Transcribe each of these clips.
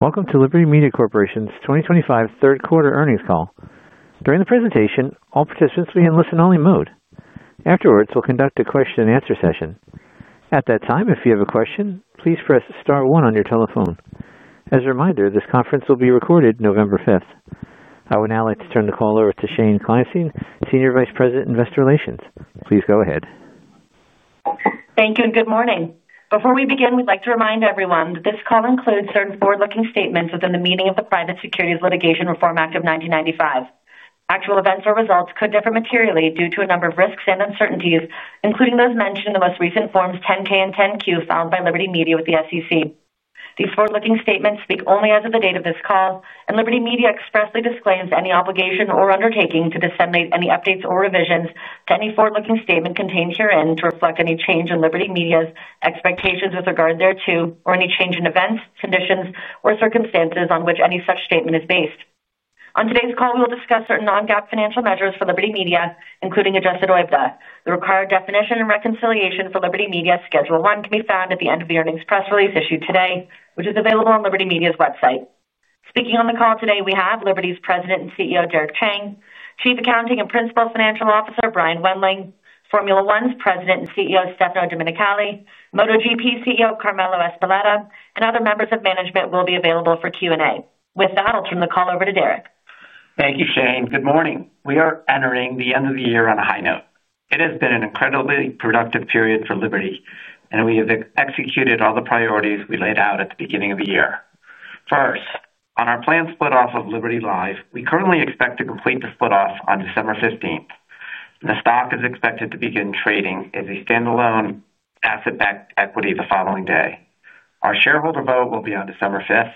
Welcome to Liberty Media Corporation's 2025 third-quarter earnings call. During the presentation, all participants will be in listen-only mode. Afterwards, we'll conduct a question-and-answer session. At that time, if you have a question, please press star one on your telephone. As a reminder, this conference will be recorded November 5th. I would now like to turn the call over to Shane Kleinstein, Senior Vice President, Investor Relations. Please go ahead. Thank you, and good morning. Before we begin, we'd like to remind everyone that this call includes certain forward-looking statements within the meaning of the Private Securities Litigation Reform Act of 1995. Actual events or results could differ materially due to a number of risks and uncertainties, including those mentioned in the most recent Forms 10-K and 10-Q filed by Liberty Media with the SEC. These forward-looking statements speak only as of the date of this call, and Liberty Media expressly disclaims any obligation or undertaking to disseminate any updates or revisions to any forward-looking statement contained herein to reflect any change in Liberty Media's expectations with regard thereto, or any change in events, conditions, or circumstances on which any such statement is based. On today's call, we will discuss certain non-GAAP financial measures for Liberty Media, including adjusted OIBDA. The required definition and reconciliation for Liberty Media Schedule One can be found at the end of the earnings press release issued today, which is available on Liberty Media's website. Speaking on the call today, we have Liberty's President and CEO, Derek Chang, Chief Accounting and Principal Financial Officer, Brian Wendling, Formula One's President and CEO, Stefano Domenicali, MotoGP CEO, Carmelo Ezpeleta, and other members of management will be available for Q&A. With that, I'll turn the call over to Derek. Thank you, Shane. Good morning. We are entering the end of the year on a high note. It has been an incredibly productive period for Liberty, and we have executed all the priorities we laid out at the beginning of the year. First, on our planned split-off of Liberty Live, we currently expect to complete the split-off on December 15th. The stock is expected to begin trading as a standalone asset-backed equity the following day. Our shareholder vote will be on December 5th.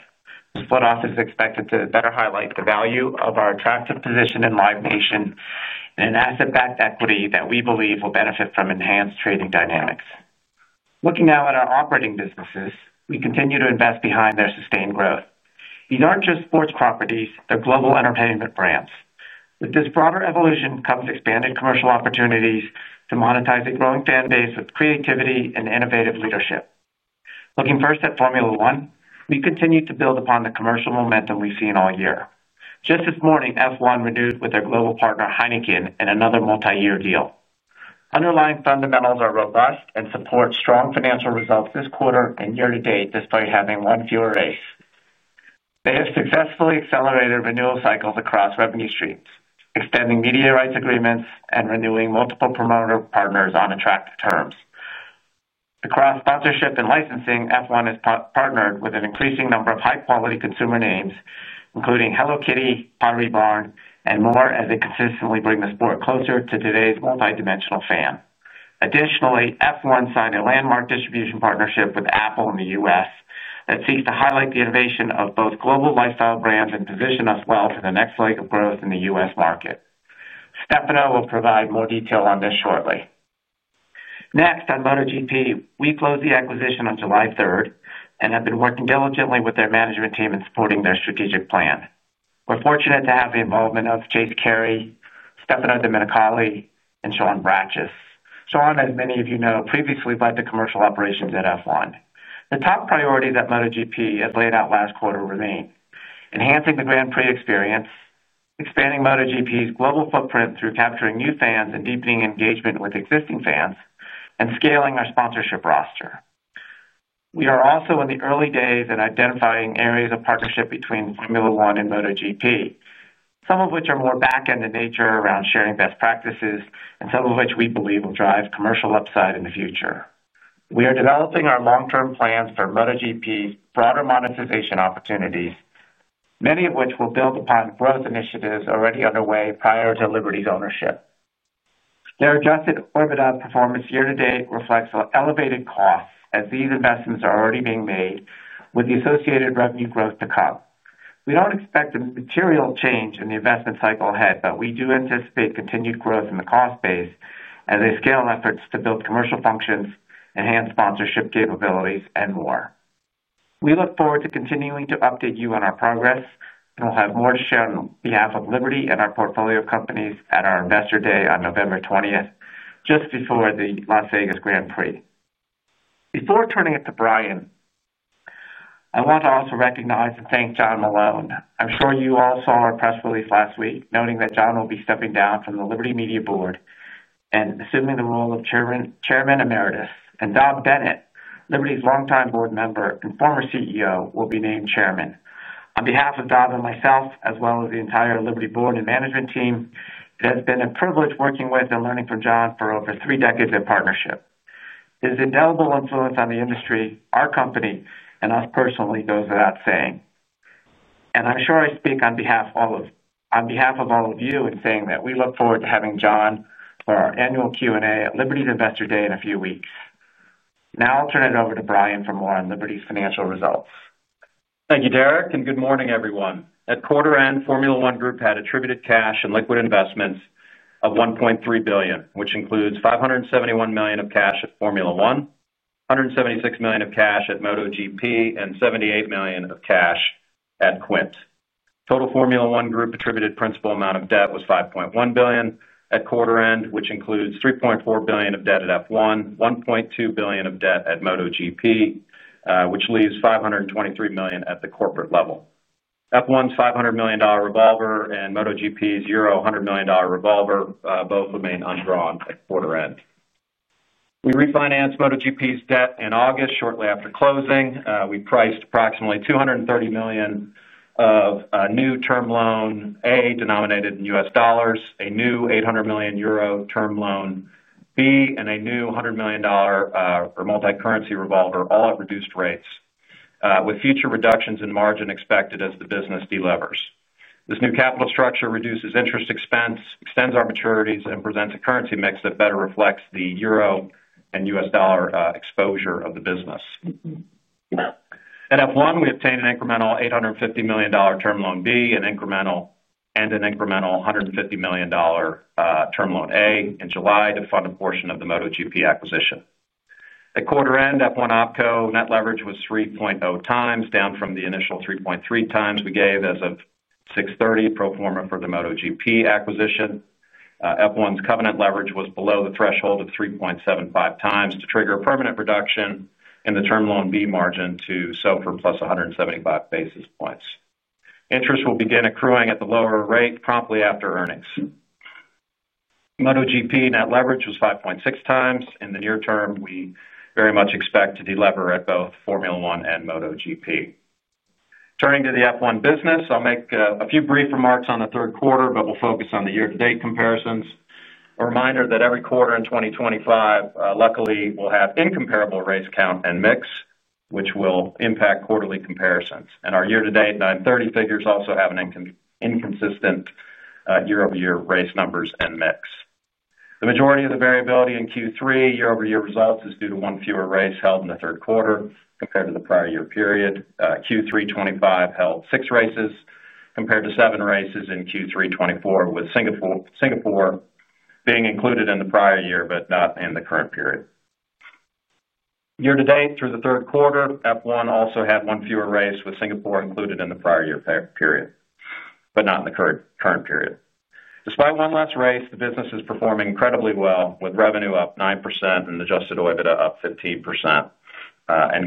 The split-off is expected to better highlight the value of our attractive position in Live Nation and an asset-backed equity that we believe will benefit from enhanced trading dynamics. Looking now at our operating businesses, we continue to invest behind their sustained growth. These aren't just sports properties; they're global entertainment brands. With this broader evolution comes expanded commercial opportunities to monetize a growing fan base with creativity and innovative leadership. Looking first at Formula One, we continue to build upon the commercial momentum we've seen all year. Just this morning, F1 renewed with their global partner, Heineken, in another multi-year deal. Underlying fundamentals are robust and support strong financial results this quarter and year to date, despite having one fewer race. They have successfully accelerated renewal cycles across revenue streams, extending media rights agreements and renewing multiple promoter partners on attractive terms. Across sponsorship and licensing, F1 has partnered with an increasing number of high-quality consumer names, including Hello Kitty, Pottery Barn, and more, as they consistently bring the sport closer to today's multidimensional fan. Additionally, F1 signed a landmark distribution partnership with Apple in the U.S. that seeks to highlight the innovation of both global lifestyle brands and position us well for the next leg of growth in the U.S. market. Stefano will provide more detail on this shortly. Next, on MotoGP, we closed the acquisition on July 3rd and have been working diligently with their management team in supporting their strategic plan. We're fortunate to have the involvement of Chase Carey, Stefano Domenicali, and Sean Bratches. Sean, as many of you know, previously led the commercial operations at F1. The top priorities that MotoGP has laid out last quarter remain: enhancing the Grand Prix experience, expanding MotoGP's global footprint through capturing new fans and deepening engagement with existing fans, and scaling our sponsorship roster. We are also in the early days in identifying areas of partnership between Formula One and MotoGP, some of which are more back-end in nature around sharing best practices, and some of which we believe will drive commercial upside in the future. We are developing our long-term plans for MotoGP's broader monetization opportunities, many of which will build upon growth initiatives already underway prior to Liberty's ownership. Their adjusted OIBDA performance year to date reflects elevated costs as these investments are already being made, with the associated revenue growth to come. We do not expect a material change in the investment cycle ahead, but we do anticipate continued growth in the cost base as they scale efforts to build commercial functions, enhance sponsorship capabilities, and more. We look forward to continuing to update you on our progress, and we'll have more to share on behalf of Liberty and our portfolio companies at our Investor Day on November 20, just before the Las Vegas Grand Prix. Before turning it to Brian, I want to also recognize and thank John Malone. I'm sure you all saw our press release last week noting that John will be stepping down from the Liberty Media Board and assuming the role of Chairman Emeritus, and Greg Maffei, Liberty's longtime board member and former CEO, will be named Chairman. On behalf of Greg and myself, as well as the entire Liberty Board and management team, it has been a privilege working with and learning from John for over three decades of partnership. His indelible influence on the industry, our company, and us personally goes without saying. I'm sure I speak on behalf of all of you in saying that we look forward to having John for our annual Q&A at Liberty's Investor Day in a few weeks. Now I'll turn it over to Brian for more on Liberty's financial results. Thank you, Derek, and good morning, everyone. At quarter-end, Formula One Group had attributed cash and liquid investments of $1.3 billion, which includes $571 million of cash at Formula One, $176 million of cash at MotoGP, and $78 million of cash at Quint. Total Formula One Group-attributed principal amount of debt was $5.1 billion at quarter-end, which includes $3.4 billion of debt at F1, $1.2 billion of debt at MotoGP, which leaves $523 million at the corporate level. F1's $500 million revolver and MotoGP's euro 100 million revolver both remain undrawn at quarter-end. We refinanced MotoGP's debt in August shortly after closing. We priced approximately $230 million of a new term loan A, denominated in U.S. dollars, a new 800 million euro term loan B, and a new $100 million multi-currency revolver, all at reduced rates, with future reductions in margin expected as the business delivers. This new capital structure reduces interest expense, extends our maturities, and presents a currency mix that better reflects the Euro and U.S. dollar exposure of the business. At F1, we obtained an incremental $850 million term loan B and an incremental $150 million term loan A in July to fund a portion of the MotoGP acquisition. At quarter-end, F1 OPCO net leverage was 3.0x, down from the initial 3.3x we gave as of 6:30 pro forma for the MotoGP acquisition. F1's covenant leverage was below the threshold of 3.75x to trigger a permanent reduction in the term loan B margin to SOFR plus 175 basis points. Interest will begin accruing at the lower rate promptly after earnings. MotoGP net leverage was 5.6x, and in the near term, we very much expect to delever at both Formula One and MotoGP. Turning to the F1 business, I'll make a few brief remarks on the third quarter, but we'll focus on the year-to-date comparisons. A reminder that every quarter in 2025, luckily, will have incomparable race count and mix, which will impact quarterly comparisons. Our year-to-date 930 figures also have an inconsistent year-over-year race numbers and mix. The majority of the variability in Q3 year-over-year results is due to one fewer race held in the third quarter compared to the prior year period. Q3 2025 held six races compared to seven races in Q3 2024, with Singapore being included in the prior year but not in the current period. Year-to-date through the third quarter, F1 also had one fewer race, with Singapore included in the prior year period but not in the current period. Despite one last race, the business is performing incredibly well, with revenue up 9% and adjusted OIBDA up 15%.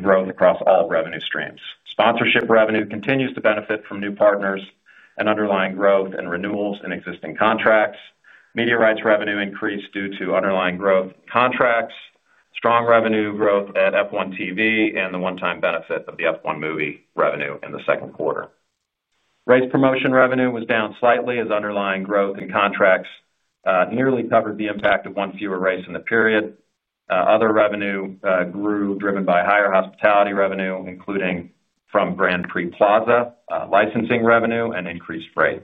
Growth across all revenue streams. Sponsorship revenue continues to benefit from new partners and underlying growth and renewals in existing contracts. Media rights revenue increased due to underlying growth in contracts, strong revenue growth at F1 TV, and the one-time benefit of the F1 movie revenue in the second quarter. Race promotion revenue was down slightly, as underlying growth in contracts nearly covered the impact of one fewer race in the period. Other revenue grew driven by higher hospitality revenue, including from Grand Prix Plaza, licensing revenue, and increased rate.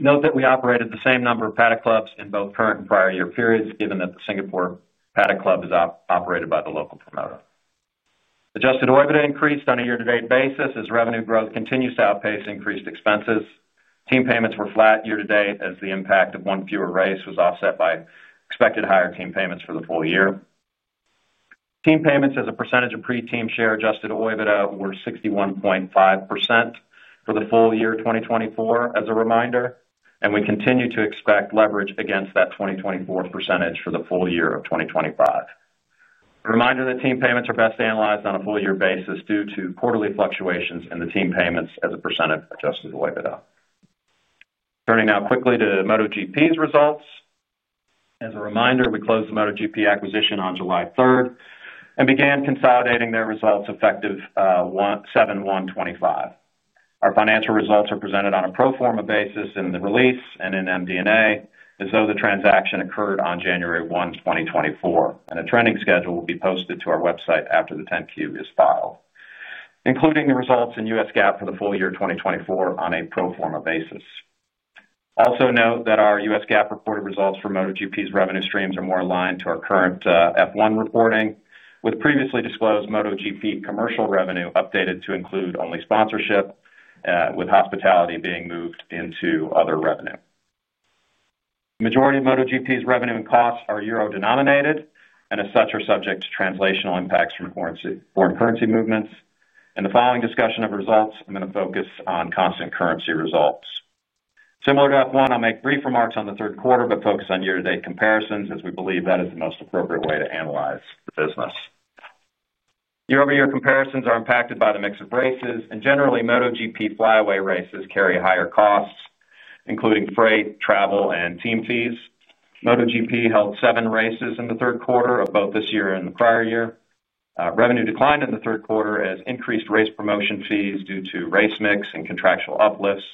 Note that we operated the same number of Paddock Clubs in both current and prior year periods, given that the Singapore Paddock Club is operated by the local promoter. Adjusted OIBDA increased on a year-to-date basis as revenue growth continues to outpace increased expenses. Team payments were flat year to date, as the impact of one fewer race was offset by expected higher team payments for the full year. Team payments, as a percentage of pre-team share adjusted OIBDA, were 61.5% for the full year 2024, as a reminder, and we continue to expect leverage against that 2024 percentage for the full year of 2025. A reminder that team payments are best analyzed on a full-year basis due to quarterly fluctuations in the team payments as a percent of adjusted OIBDA. Turning now quickly to MotoGP's results. As a reminder, we closed the MotoGP acquisition on July 3 and began consolidating their results effective 07/01/2025. Our financial results are presented on a pro forma basis in the release and in MD&A, as though the transaction occurred on January 1, 2024, and a trending schedule will be posted to our website after the 10-Q is filed, including the results in U.S. GAAP for the full year 2024 on a pro forma basis. Also note that our U.S. GAAP reported results for MotoGP's revenue streams are more aligned to our current F1 reporting, with previously disclosed MotoGP commercial revenue updated to include only sponsorship, with hospitality being moved into other revenue. The majority of MotoGP's revenue and costs are euro-denominated and, as such, are subject to translational impacts from foreign currency movements. In the following discussion of results, I'm going to focus on constant currency results. Similar to F1, I'll make brief remarks on the third quarter but focus on year-to-date comparisons, as we believe that is the most appropriate way to analyze the business. Year-over-year comparisons are impacted by the mix of races, and generally, MotoGP flyaway races carry higher costs, including freight, travel, and team fees. MotoGP held seven races in the third quarter, both this year and the prior year. Revenue declined in the third quarter as increased race promotion fees due to race mix and contractual uplifts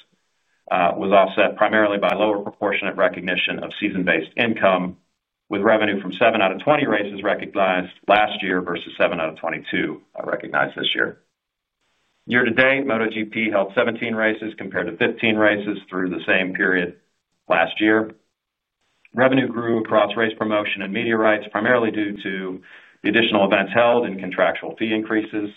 was offset primarily by lower proportionate recognition of season-based income, with revenue from seven out of 20 races recognized last year versus seven out of 22 recognized this year. Year-to-date, MotoGP held 17 races compared to 15 races through the same period last year. Revenue grew across race promotion and media rights, primarily due to the additional events held and contractual fee increases.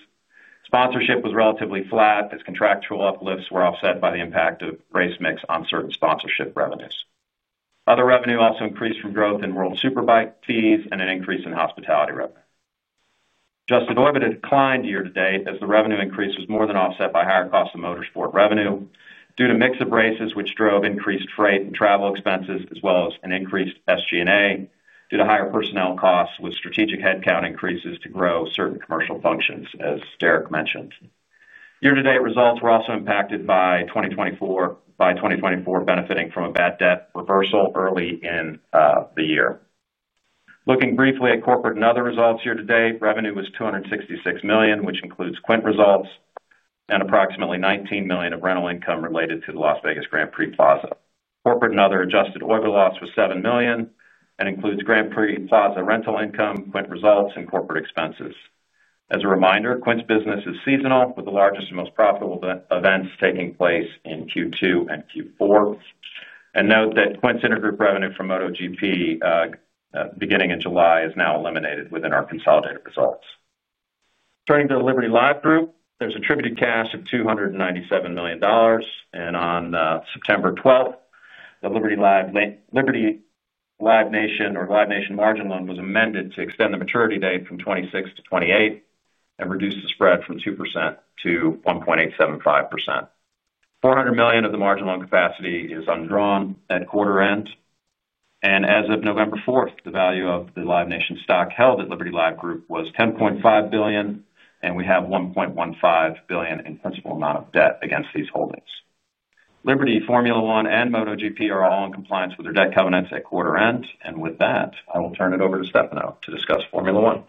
Sponsorship was relatively flat as contractual uplifts were offset by the impact of race mix on certain sponsorship revenues. Other revenue also increased from growth in World Superbike fees and an increase in hospitality revenue. Adjusted OIBDA declined year-to-date as the revenue increase was more than offset by higher costs of motorsport revenue due to a mix of races, which drove increased freight and travel expenses, as well as an increased SG&A due to higher personnel costs with strategic headcount increases to grow certain commercial functions, as Derek mentioned. Year-to-date results were also impacted by 2024 benefiting from a bad debt reversal early in the year. Looking briefly at corporate and other results year-to-date, revenue was $266 million, which includes Quint results and approximately $19 million of rental income related to the Las Vegas Grand Prix Plaza. Corporate and other adjusted OIBDA loss was $7 million and includes Grand Prix Plaza rental income, Quint results, and corporate expenses. As a reminder, Quint's business is seasonal, with the largest and most profitable events taking place in Q2 and Q4. Note that Quint's intergroup revenue from MotoGP, beginning in July, is now eliminated within our consolidated results. Turning to the Liberty Live Group, there is attributed cash of $297 million, and on September 12, the Liberty Live Nation margin loan was amended to extend the maturity date from 2026-2028 and reduce the spread from 2% to 1.75%. $400 million of the margin loan capacity is undrawn at quarter-end. As of November 4, the value of the Live Nation stock held at Liberty Live Group was $10.5 billion, and we have $1.15 billion in principal amount of debt against these holdings. Liberty, Formula One, and MotoGP are all in compliance with their debt covenants at quarter-end, and with that, I will turn it over to Stefano to discuss Formula One.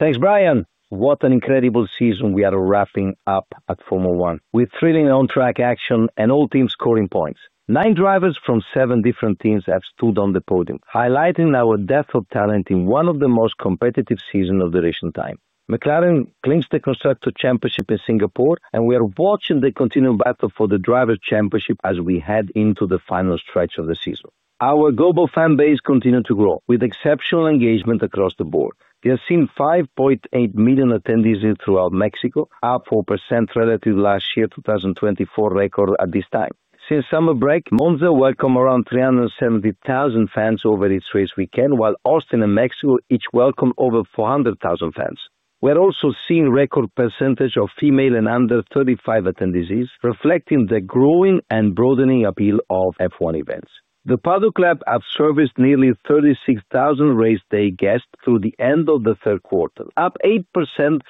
Thanks, Brian. What an incredible season we are wrapping up at Formula One, with thrilling on-track action and all teams scoring points. Nine drivers from seven different teams have stood on the podium, highlighting our depth of talent in one of the most competitive seasons of recent time. McLaren clinched the Constructors' Championship in Singapore, and we are watching the continuing battle for the drivers' championship as we head into the final stretch of the season. Our global fan base continued to grow, with exceptional engagement across the board. We have seen 5.8 million attendees throughout Mexico, up 4% relative to last year's 2024 record at this time. Since summer break, Monza welcomed around 370,000 fans over its race weekend, while Austin and Mexico each welcomed over 400,000 fans. We are also seeing a record percentage of female and under 35 attendees, reflecting the growing and broadening appeal of F1 events. The Paddock Club has serviced nearly 36,000 race day guests through the end of the third quarter, up 8%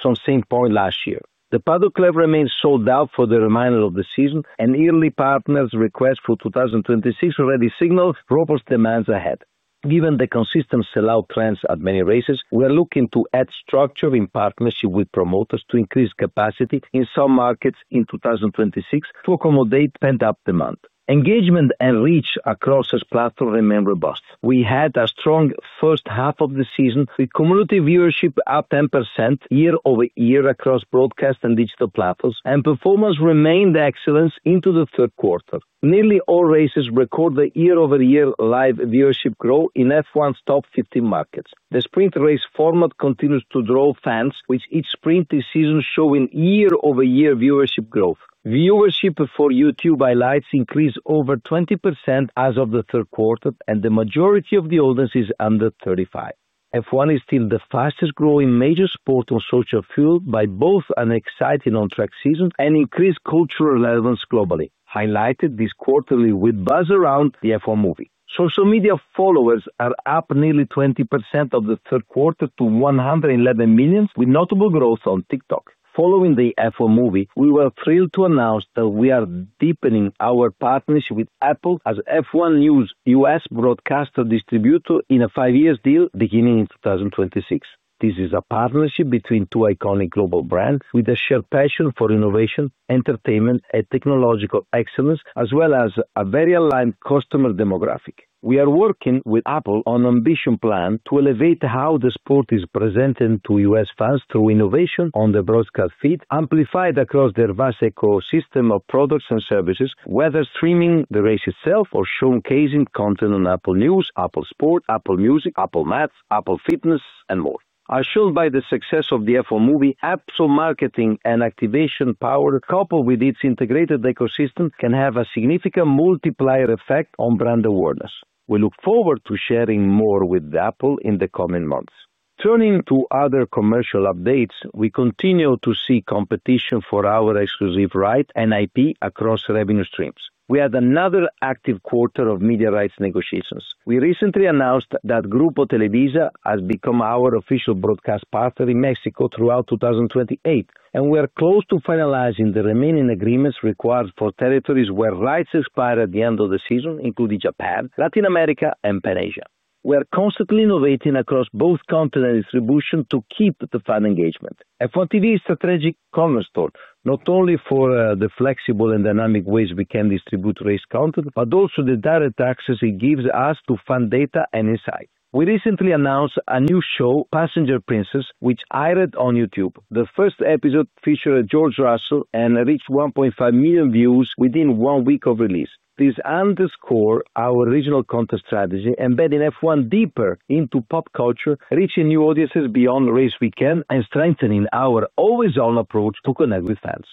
from the same point last year. The Paddock Club remains sold out for the remainder of the season, and Ely Partners' request for 2026 already signaled robust demands ahead. Given the consistent sellout trends at many races, we are looking to add structure in partnership with promoters to increase capacity in some markets in 2026 to accommodate pent-up demand. Engagement and reach across our platforms remained robust. We had a strong first half of the season, with community viewership up 10% year-over-year across broadcast and digital platforms, and performance remained excellent into the third quarter. Nearly all races recorded year-over-year live viewership growth in F1's top 15 markets. The sprint race format continues to draw fans, with each sprint this season showing year-over-year viewership growth. Viewership for YouTube highlights increased over 20% as of the third quarter, and the majority of the audience is under 35. F1 is still the fastest-growing major sport on social fuel, with both an exciting on-track season and increased cultural relevance globally, highlighted this quarterly with buzz around the F1 movie. Social media followers are up nearly 20% as of the third quarter to 111 million, with notable growth on TikTok. Following the F1 movie, we were thrilled to announce that we are deepening our partnership with Apple as F1's new U.S. broadcaster distributor in a five-year deal beginning in 2026. This is a partnership between two iconic global brands with a shared passion for innovation, entertainment, and technological excellence, as well as a very aligned customer demographic. We are working with Apple on an ambitious plan to elevate how the sport is presented to U.S. fans through innovation on the broadcast feed, amplified across their vast ecosystem of products and services, whether streaming the race itself or showcasing content on Apple News, Apple Sports, Apple Music, Apple Maps, Apple Fitness, and more. As shown by the success of the F1 movie, Apple's marketing and activation power, coupled with its integrated ecosystem, can have a significant multiplier effect on brand awareness. We look forward to sharing more with Apple in the coming months. Turning to other commercial updates, we continue to see competition for our exclusive rights and IP across revenue streams. We had another active quarter of media rights negotiations. We recently announced that Grupo Televisa has become our official broadcast partner in Mexico throughout 2028, and we are close to finalizing the remaining agreements required for territories where rights expire at the end of the season, including Japan, Latin America, and Pan Asia. We are constantly innovating across both content and distribution to keep the fan engagement. F1 TV is a strategic cornerstone, not only for the flexible and dynamic ways we can distribute race content, but also the direct access it gives us to fan data and insights. We recently announced a new show, Passenger Princess, which aired on YouTube. The first episode featured George Russell and reached 1.5 million views within one week of release. This underscores our regional contest strategy, embedding F1 deeper into pop culture, reaching new audiences beyond race weekends, and strengthening our always-on approach to connect with fans.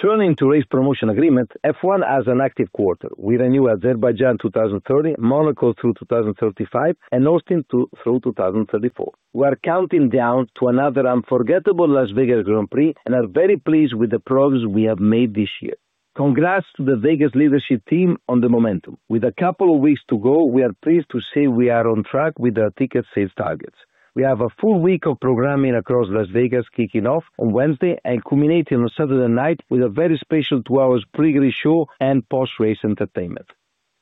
Turning to race promotion agreements, F1 has an active quarter, with a new Azerbaijan 2030, Monaco through 2035, and Austin through 2034. We are counting down to another unforgettable Las Vegas Grand Prix and are very pleased with the progress we have made this year. Congrats to the Vegas leadership team on the momentum. With a couple of weeks to go, we are pleased to say we are on track with our ticket sales targets. We have a full week of programming across Las Vegas kicking off on Wednesday and culminating on Saturday night with a very special two-hour pre-race show and post-race entertainment.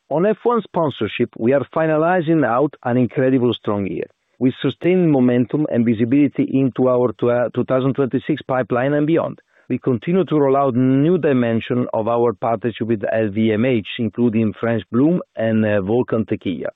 On F1 sponsorship, we are finalizing out an incredibly strong year. We sustain momentum and visibility into our 2026 pipeline and beyond. We continue to roll out new dimensions of our partnership with LVMH, including French Bloom and Vulcan Tequila.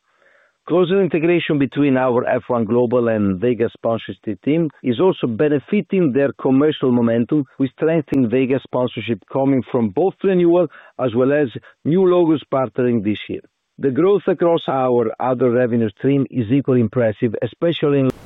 Closer integration between our F1 Global and Vegas sponsorship team is also benefiting their commercial momentum, with strength in Vegas sponsorship coming from both renewal as well as new logos partnering this year. The growth across our other revenue stream is equally impressive, especially. Right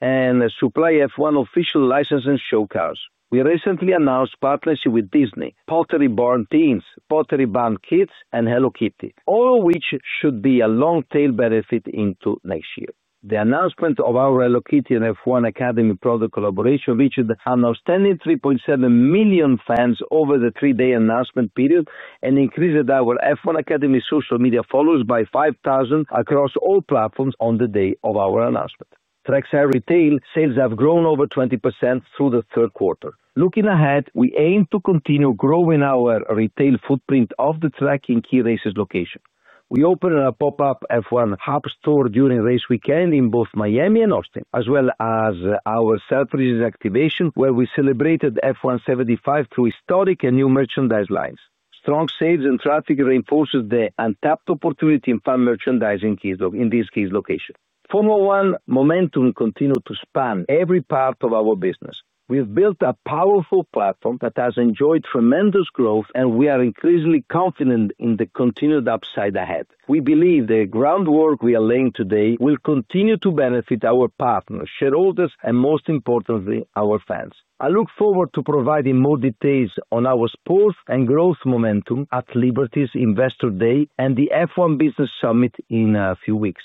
and supply F1 official licensing show cars. We recently announced partnership with Disney, Pottery Barn Teens, Pottery Barn Kids, and Hello Kitty, all of which should be a long-tail benefit into next year. The announcement of our Hello Kitty and F1 Academy product collaboration reached an outstanding 3.7 million fans over the three-day announcement period and increased our F1 Academy social media followers by 5,000 across all platforms on the day of our announcement. Tracks and retail sales have grown over 20% through the third quarter. Looking ahead, we aim to continue growing our retail footprint off the track in key races locations. We opened a pop-up F1 hub store during race weekend in both Miami and Austin, as well as our self-resident activation, where we celebrated F1 75 through historic and new merchandise lines. Strong sales and traffic reinforce the untapped opportunity in fan merchandising in these key locations. Formula One momentum continues to span every part of our business. We've built a powerful platform that has enjoyed tremendous growth, and we are increasingly confident in the continued upside ahead. We believe the groundwork we are laying today will continue to benefit our partners, shareholders, and most importantly, our fans. I look forward to providing more details on our sport and growth momentum at Liberty's Investor Day and the F1 Business Summit in a few weeks.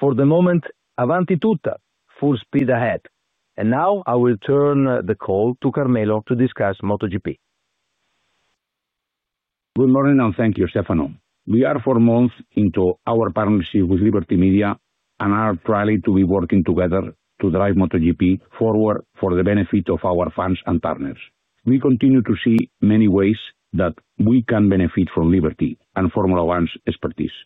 For the moment, Avanti tutta, full speed ahead. Now I will turn the call to Carmelo to discuss MotoGP. Good morning and thank you, Stefano. We are four months into our partnership with Liberty Media and are thrilled to be working together to drive MotoGP forward for the benefit of our fans and partners. We continue to see many ways that we can benefit from Liberty and Formula One's expertise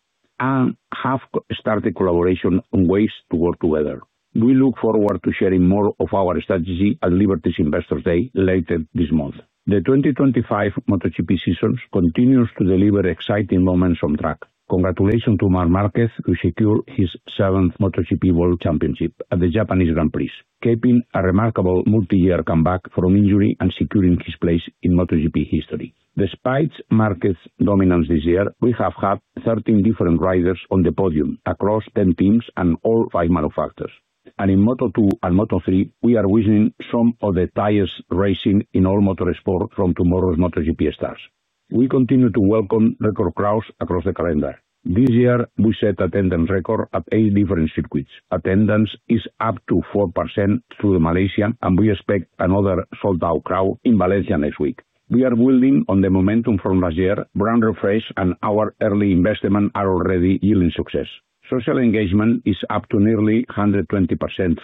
and have started collaboration on ways to work together. We look forward to sharing more of our strategy at Liberty's Investor Day later this month. The 2025 MotoGP season continues to deliver exciting moments on track. Congratulations to Marc Marquez who secured his seventh MotoGP World Championship at the Japanese Grand Prix, keeping a remarkable multi-year comeback from injury and securing his place in MotoGP history. Despite Marquez's dominance this year, we have had 13 different riders on the podium across 10 teams and all five manufacturers. In Moto2 and Moto3, we are witnessing some of the tires racing in all motorsport from tomorrow's MotoGP stars. We continue to welcome record crowds across the calendar. This year, we set attendance record at eight different circuits. Attendance is up 4% through Malaysia, and we expect another sold-out crowd in Valencia next week. We are building on the momentum from last year. Brand refresh and our early investment are already yielding success. Social engagement is up nearly 120%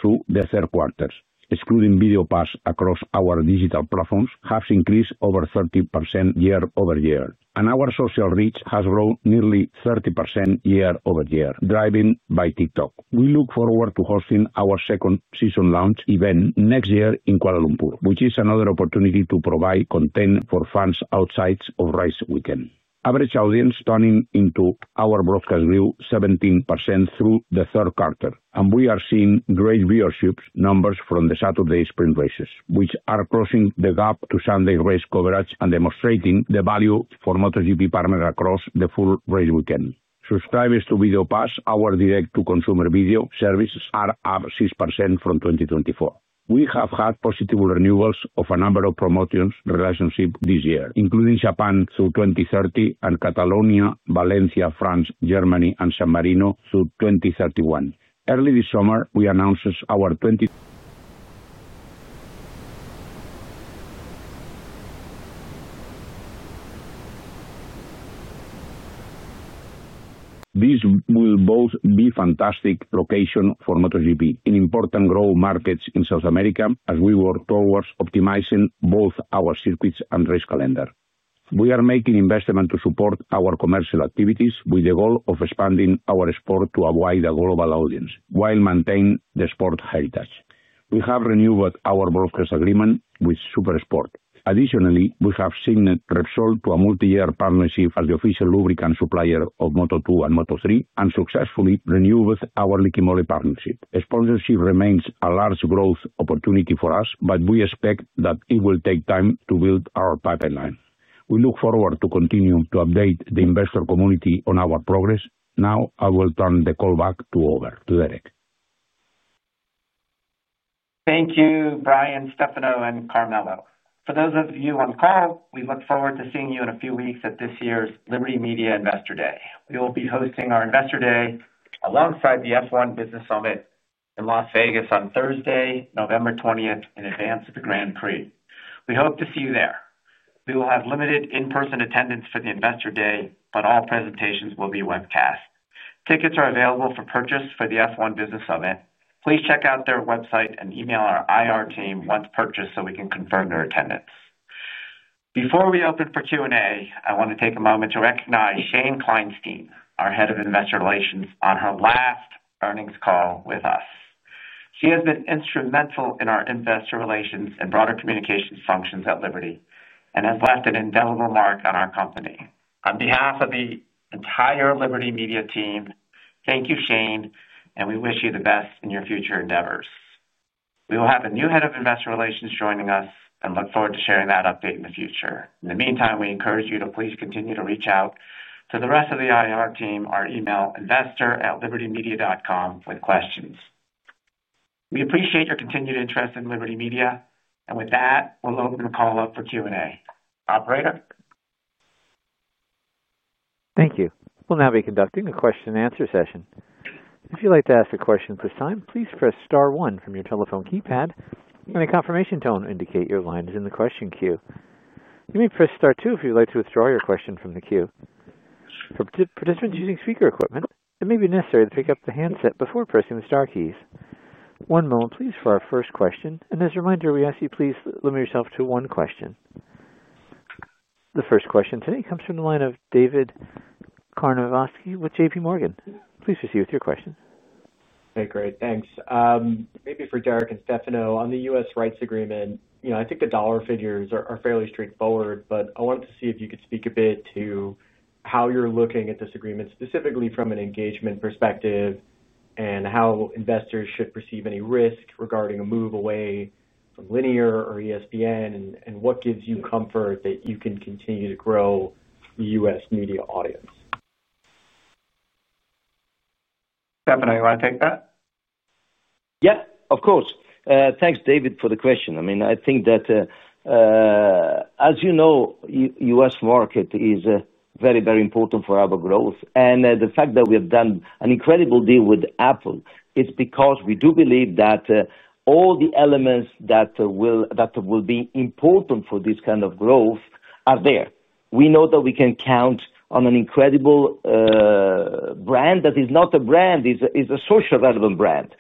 through the third quarter. Excluding Video Pass across our digital platforms, it has increased over 30% year-over-year. Our social reach has grown nearly 30% year-over-year, driven by TikTok. We look forward to hosting our second season launch event next year in Kuala Lumpur, which is another opportunity to provide content for fans outside of race weekend. Average audience turning into our broadcast view 17% through the third quarter, and we are seeing great viewership numbers from the Saturday sprint races, which are closing the gap to Sunday race coverage and demonstrating the value for MotoGP partners across the full race weekend. Subscribers to Video Pass, our direct-to-consumer video service, are up 6% from 2024. We have had positive renewals of a number of promotions relationships this year, including Japan through 2030 and Catalonia, Valencia, France, Germany, and San Marino through 2031. Early this summer, we announced our. These will both be fantastic locations for MotoGP in important growth markets in South America as we work towards optimizing both our circuits and race calendar. We are making investments to support our commercial activities with the goal of expanding our sport to a wider global audience while maintaining the sport's heritage. We have renewed our broadcast agreement with Super Sport. Additionally, we have signed Repsol to a multi-year partnership as the official lubricant supplier of Moto2 and Moto3 and successfully renewed our Liqui Moly partnership. Sponsorship remains a large growth opportunity for us, but we expect that it will take time to build our pipeline. We look forward to continuing to update the investor community on our progress. Now I will turn the call back to, over to Derek. Thank you, Brian, Stefano, and Carmelo. For those of you on call, we look forward to seeing you in a few weeks at this year's Liberty Media Investor Day. We will be hosting our Investor Day alongside the F1 Business Summit in Las Vegas on Thursday, November 20th, in advance of the Grand Prix. We hope to see you there. We will have limited in-person attendance for the Investor Day, but all presentations will be webcast. Tickets are available for purchase for the F1 Business Summit. Please check out their website and email our IR team once purchased so we can confirm their attendance. Before we open for Q&A, I want to take a moment to recognize Shane Kleinstein, our Head of Investor Relations, on her last earnings call with us. She has been instrumental in our investor relations and broader communications functions at Liberty and has left an indelible mark on our company. On behalf of the entire Liberty Media team, thank you, Shane, and we wish you the best in your future endeavors. We will have a new Head of Investor Relations joining us and look forward to sharing that update in the future. In the meantime, we encourage you to please continue to reach out to the rest of the IR team, our email, investor@libertymedia.com, with questions. We appreciate your continued interest in Liberty Media, and with that, we'll open the call up for Q&A. Operator. Thank you. We'll now be conducting a question-and-answer session. If you'd like to ask a question at this time, please press star one from your telephone keypad, and a confirmation tone to indicate your line is in the question queue. You may press star two if you'd like to withdraw your question from the queue. For participants using speaker equipment, it may be necessary to pick up the handset before pressing the Star keys. One moment, please, for our first question. As a reminder, we ask that you please limit yourself to one question. The first question today comes from the line of David Karnovsky with JPMorgan. Please proceed with your question. Hey, great. Thanks. Maybe for Derek and Stefano, on the U.S. rights agreement, I think the dollar figures are fairly straightforward, but I wanted to see if you could speak a bit to how you're looking at this agreement, specifically from an engagement perspective, and how investors should perceive any risk regarding a move away from linear or ESPN, and what gives you comfort that you can continue to grow the U.S. media audience. Stefano, you want to take that? Yeah, of course. Thanks, David, for the question. I mean, I think that as you know, the U.S. market is very, very important for our growth. The fact that we have done an incredible deal with Apple, it's because we do believe that all the elements that will be important for this kind of growth are there. We know that we can count on an incredible brand that is not a brand, is a socially relevant brand.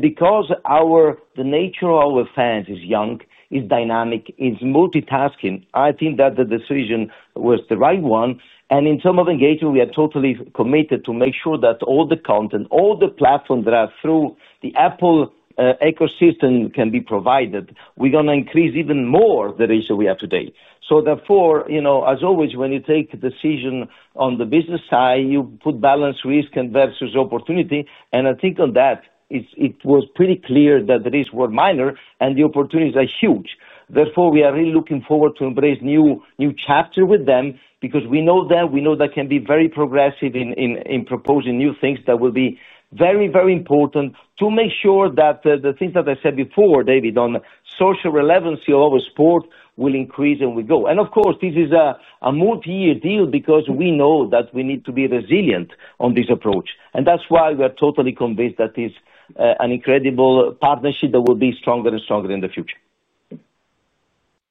Because the nature of our fans is young, is dynamic, is multitasking, I think that the decision was the right one. In terms of engagement, we are totally committed to make sure that all the content, all the platforms that are through the Apple ecosystem can be provided. We're going to increase even more the ratio we have today. Therefore, as always, when you take a decision on the business side, you put balance risk versus opportunity. I think on that, it was pretty clear that the risks were minor and the opportunities are huge. Therefore, we are really looking forward to embracing a new chapter with them because we know that can be very progressive in proposing new things that will be very, very important to make sure that the things that I said before, David, on social relevancy of our sport will increase and will grow. Of course, this is a multi-year deal because we know that we need to be resilient on this approach. That is why we are totally convinced that this is an incredible partnership that will be stronger and stronger in the future.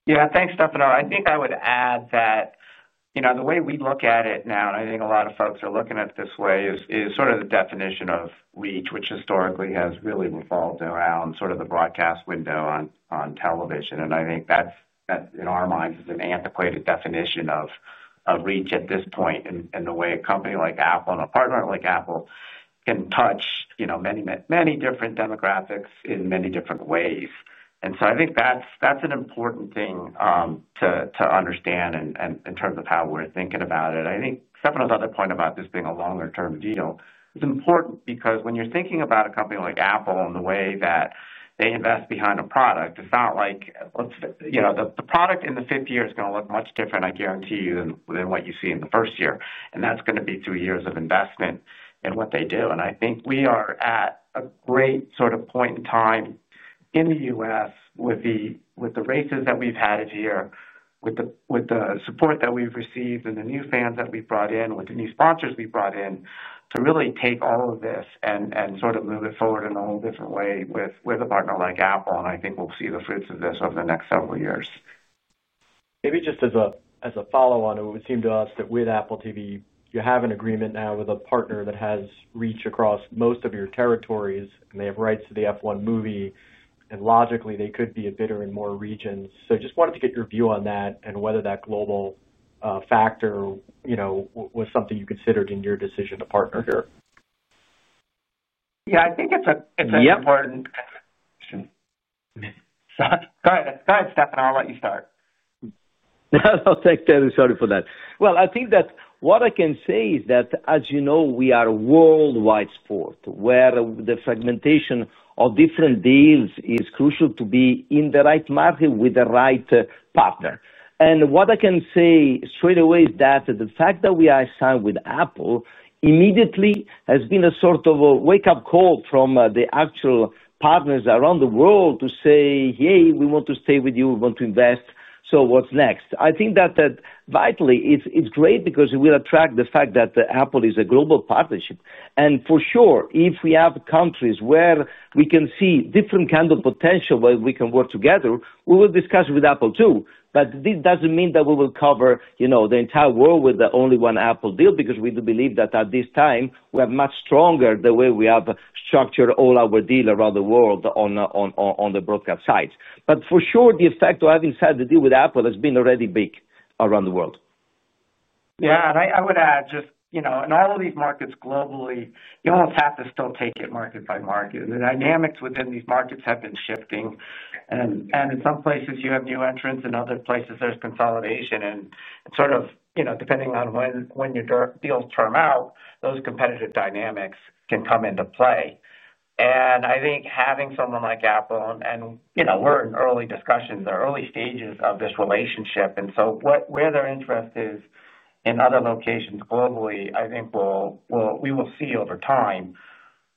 Yeah, thanks, Stefano. I think I would add that the way we look at it now, and I think a lot of folks are looking at it this way, is sort of the definition of reach, which historically has really revolved around sort of the broadcast window on television. I think that, in our minds, is an antiquated definition of reach at this point in the way a company like Apple and a partner like Apple can touch many, many different demographics in many different ways. I think that's an important thing to understand in terms of how we're thinking about it. I think Stefano's other point about this being a longer-term deal is important because when you're thinking about a company like Apple and the way that they invest behind a product, it's not like the product in the fifth year is going to look much different, I guarantee you, than what you see in the first year. That's going to be through years of investment and what they do. I think we are at a great sort of point in time in the U.S. with the races that we've had this year, with the support that we've received and the new fans that we've brought in, with the new sponsors we've brought in to really take all of this and sort of move it forward in a whole different way with a partner like Apple. I think we'll see the fruits of this over the next several years. Maybe just as a follow-on, it would seem to us that with Apple TV, you have an agreement now with a partner that has reach across most of your territories, and they have rights to the F1 movie. Logically, they could be a bidder in more regions. I just wanted to get your view on that and whether that global factor was something you considered in your decision to partner here. Yeah, I think it's important. Go ahead, Stefano. I'll let you start. I'll take that, sorry for that. I think that what I can say is that, as you know, we are a worldwide sport where the fragmentation of different deals is crucial to be in the right market with the right partner. What I can say straight away is that the fact that we are signed with Apple immediately has been a sort of a wake-up call from the actual partners around the world to say, "Hey, we want to stay with you. We want to invest. So what's next?" I think that vitally it's great because it will attract the fact that Apple is a global partnership. For sure, if we have countries where we can see different kinds of potential where we can work together, we will discuss with Apple too. This does not mean that we will cover the entire world with the only one Apple deal because we do believe that at this time, we have much stronger the way we have structured all our deals around the world on the broadcast side. For sure, the effect of having signed a deal with Apple has been already big around the world. Yeah, I would add just in all of these markets globally, you almost have to still take it market by market. The dynamics within these markets have been shifting. In some places, you have new entrants. In other places, there is consolidation. Sort of depending on when your deals term out, those competitive dynamics can come into play. I think having someone like Apple and we're in early discussions or early stages of this relationship. Where their interest is in other locations globally, I think we will see over time.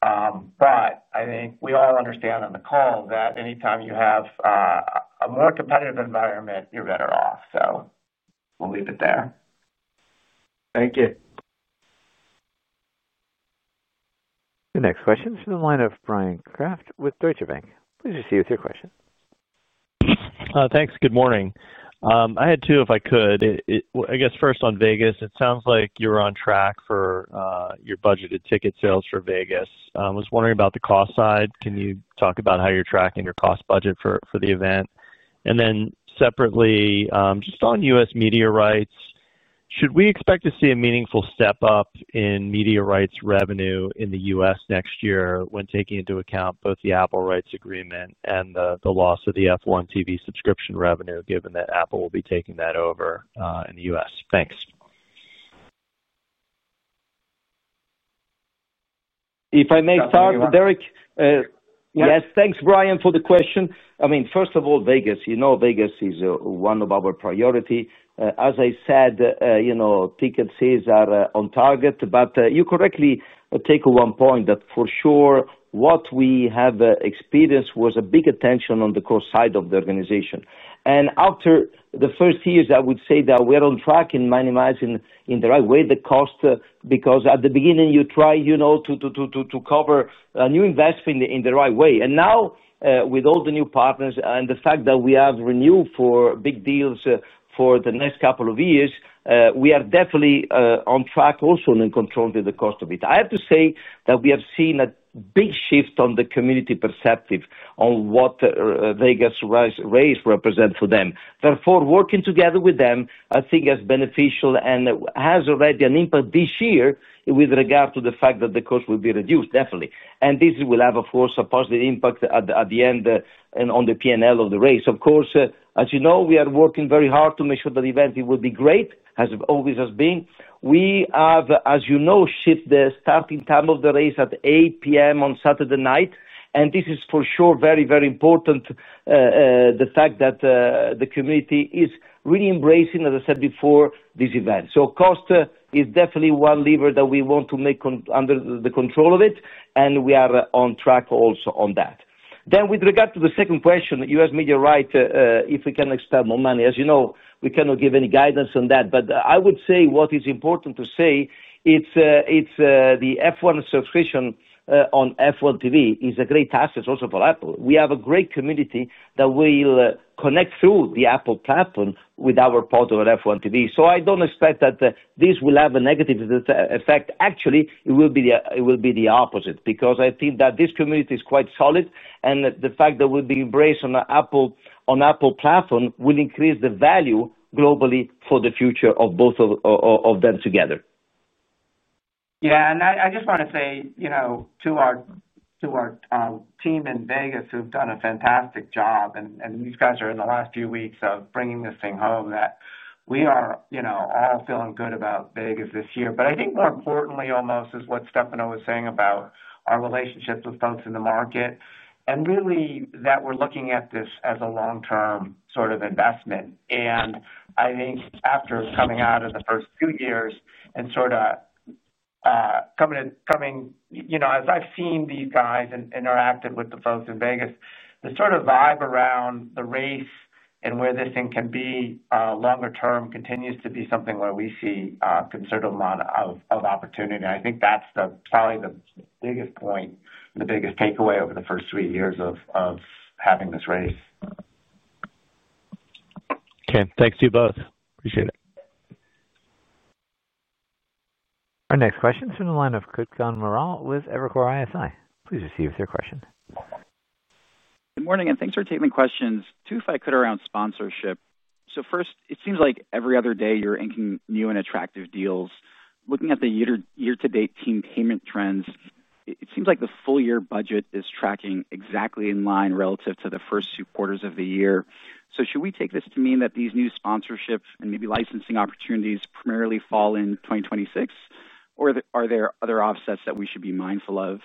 I think we all understand on the call that anytime you have a more competitive environment, you're better off. We'll leave it there. Thank you. The next question is from the line of Bryan Kraft with Deutsche Bank. Please proceed with your question. Thanks. Good morning. I had two if I could. I guess first on Vegas. It sounds like you're on track for your budgeted ticket sales for Vegas. I was wondering about the cost side. Can you talk about how you're tracking your cost budget for the event? Then separately, just on U.S. media rights, should we expect to see a meaningful step up in media rights revenue in the U.S. next year when taking into account both the Apple rights agreement and the loss of the F1 TV subscription revenue, given that Apple will be taking that over in the U.S.? Thanks. If I may start, Derek. Yes, thanks, Bryan, for the question. I mean, first of all, Vegas. You know Vegas is one of our priorities. As I said. Ticket sales are on target. You correctly take one point that for sure what we have experienced was a big attention on the cost side of the organization. After the first years, I would say that we're on track in minimizing in the right way the cost because at the beginning, you try to cover a new investment in the right way. Now, with all the new partners and the fact that we have renewed for big deals for the next couple of years, we are definitely on track also in controlling the cost of it. I have to say that we have seen a big shift on the community perspective on what Vegas Race represents for them. Therefore, working together with them, I think, is beneficial and has already an impact this year with regard to the fact that the cost will be reduced, definitely. This will have, of course, a positive impact at the end on the P&L of the race. Of course, as you know, we are working very hard to make sure that the event will be great, as it always has been. We have, as you know, shifted the starting time of the race at 8:00 P.M. on Saturday night. This is for sure very, very important, the fact that the community is really embracing, as I said before, this event. Cost is definitely one lever that we want to make under the control of it. We are on track also on that. With regard to the second question, U.S. media rights, if we can expect more money. As you know, we cannot give any guidance on that. I would say what is important to say is the F1 subscription on F1 TV is a great asset also for Apple. We have a great community that will connect through the Apple platform with our partner on F1 TV. I do not expect that this will have a negative effect. Actually, it will be the opposite because I think that this community is quite solid. The fact that we will be embraced on Apple. Platform will increase the value globally for the future of both of them together. Yeah. I just want to say to our team in Vegas who've done a fantastic job. These guys are in the last few weeks of bringing this thing home. We are all feeling good about Vegas this year. I think more importantly almost is what Stefano was saying about our relationships with folks in the market and really that we're looking at this as a long-term sort of investment. I think after coming out of the first few years and sort of coming, as I've seen these guys and interacted with the folks in Vegas, the sort of vibe around the race and where this thing can be longer-term continues to be something where we see a considerable amount of opportunity. I think that's probably the biggest point and the biggest takeaway over the first three years of having this race. Okay. Thanks to you both. Appreciate it. Our next question is from the line of Kutgun Maral with Evercore ISI. Please proceed with your question. Good morning. And thanks for taking the questions. Two if I could around sponsorship. First, it seems like every other day you're inking new and attractive deals. Looking at the year-to-date team payment trends, it seems like the full-year budget is tracking exactly in line relative to the first two quarters of the year. Should we take this to mean that these new sponsorships and maybe licensing opportunities primarily fall in 2026? Or are there other offsets that we should be mindful of?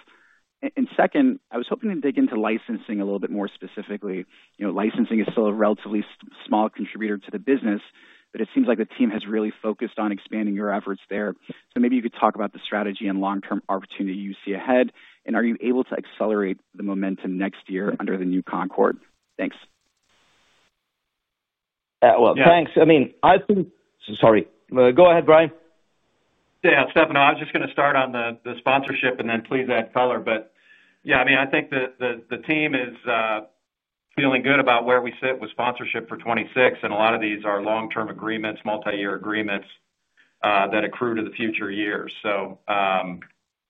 Second, I was hoping to dig into licensing a little bit more specifically. Licensing is still a relatively small contributor to the business, but it seems like the team has really focused on expanding your efforts there. Maybe you could talk about the strategy and long-term opportunity you see ahead. Are you able to accelerate the momentum next year under the new Concorde? Thanks. Thanks. I mean, I think, sorry. Go ahead, Brian. Yeah, Stefano, I was just going to start on the sponsorship and then please add color. I think the team is feeling good about where we sit with sponsorship for 2026. A lot of these are long-term agreements, multi-year agreements that accrue to the future years. As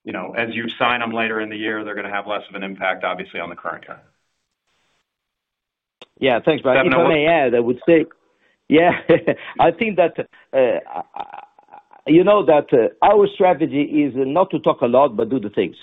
you sign them later in the year, they are going to have less of an impact, obviously, on the current term. Thanks, Brian. If I may add, I would say, yeah, I think that. Our strategy is not to talk a lot, but do the things.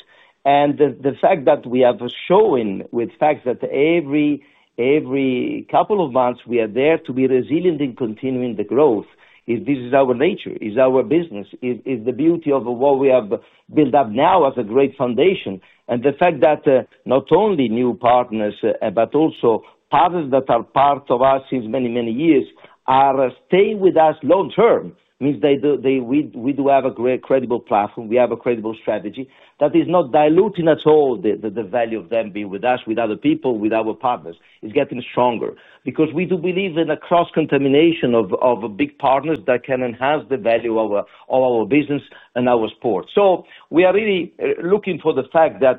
The fact that we have shown with facts that every couple of months we are there to be resilient in continuing the growth is our nature, is our business, is the beauty of what we have built up now as a great foundation. The fact that not only new partners, but also partners that are part of us since many, many years are staying with us long-term means we do have a credible platform. We have a credible strategy that is not diluting at all the value of them being with us, with other people, with our partners. It is getting stronger because we do believe in a cross-contamination of big partners that can enhance the value of our business and our sport. We are really looking for the fact that.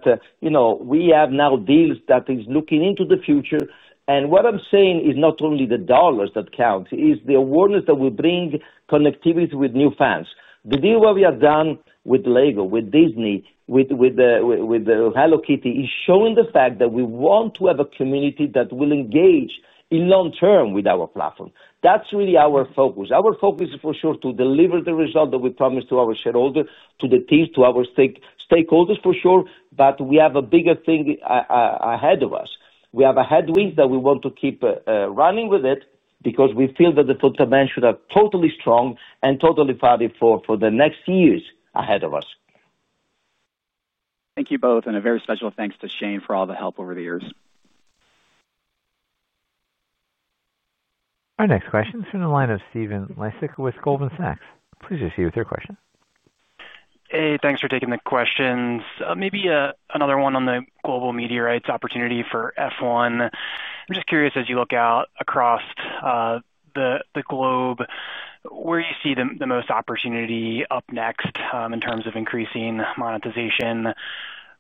We have now deals that are looking into the future. What I'm saying is not only the dollars that count, it's the awareness that will bring connectivity with new fans. The deal that we have done with Lego, with Disney, with Hello Kitty, is showing the fact that we want to have a community that will engage in long-term with our platform. That's really our focus. Our focus is for sure to deliver the result that we promised to our shareholders, to the teams, to our stakeholders, for sure. We have a bigger thing ahead of us. We have a headwind that we want to keep running with it because we feel that the fundamentals should be totally strong and totally fighting for the next years ahead of us. Thank you both. A very special thanks to Shane for all the help over the years. Our next question is from the line of Stephen Laszczyk with Goldman Sachs. Please proceed with your question. Hey, thanks for taking the questions. Maybe another one on the global media rights opportunity for F1. I'm just curious, as you look out across the globe, where do you see the most opportunity up next in terms of increasing monetization?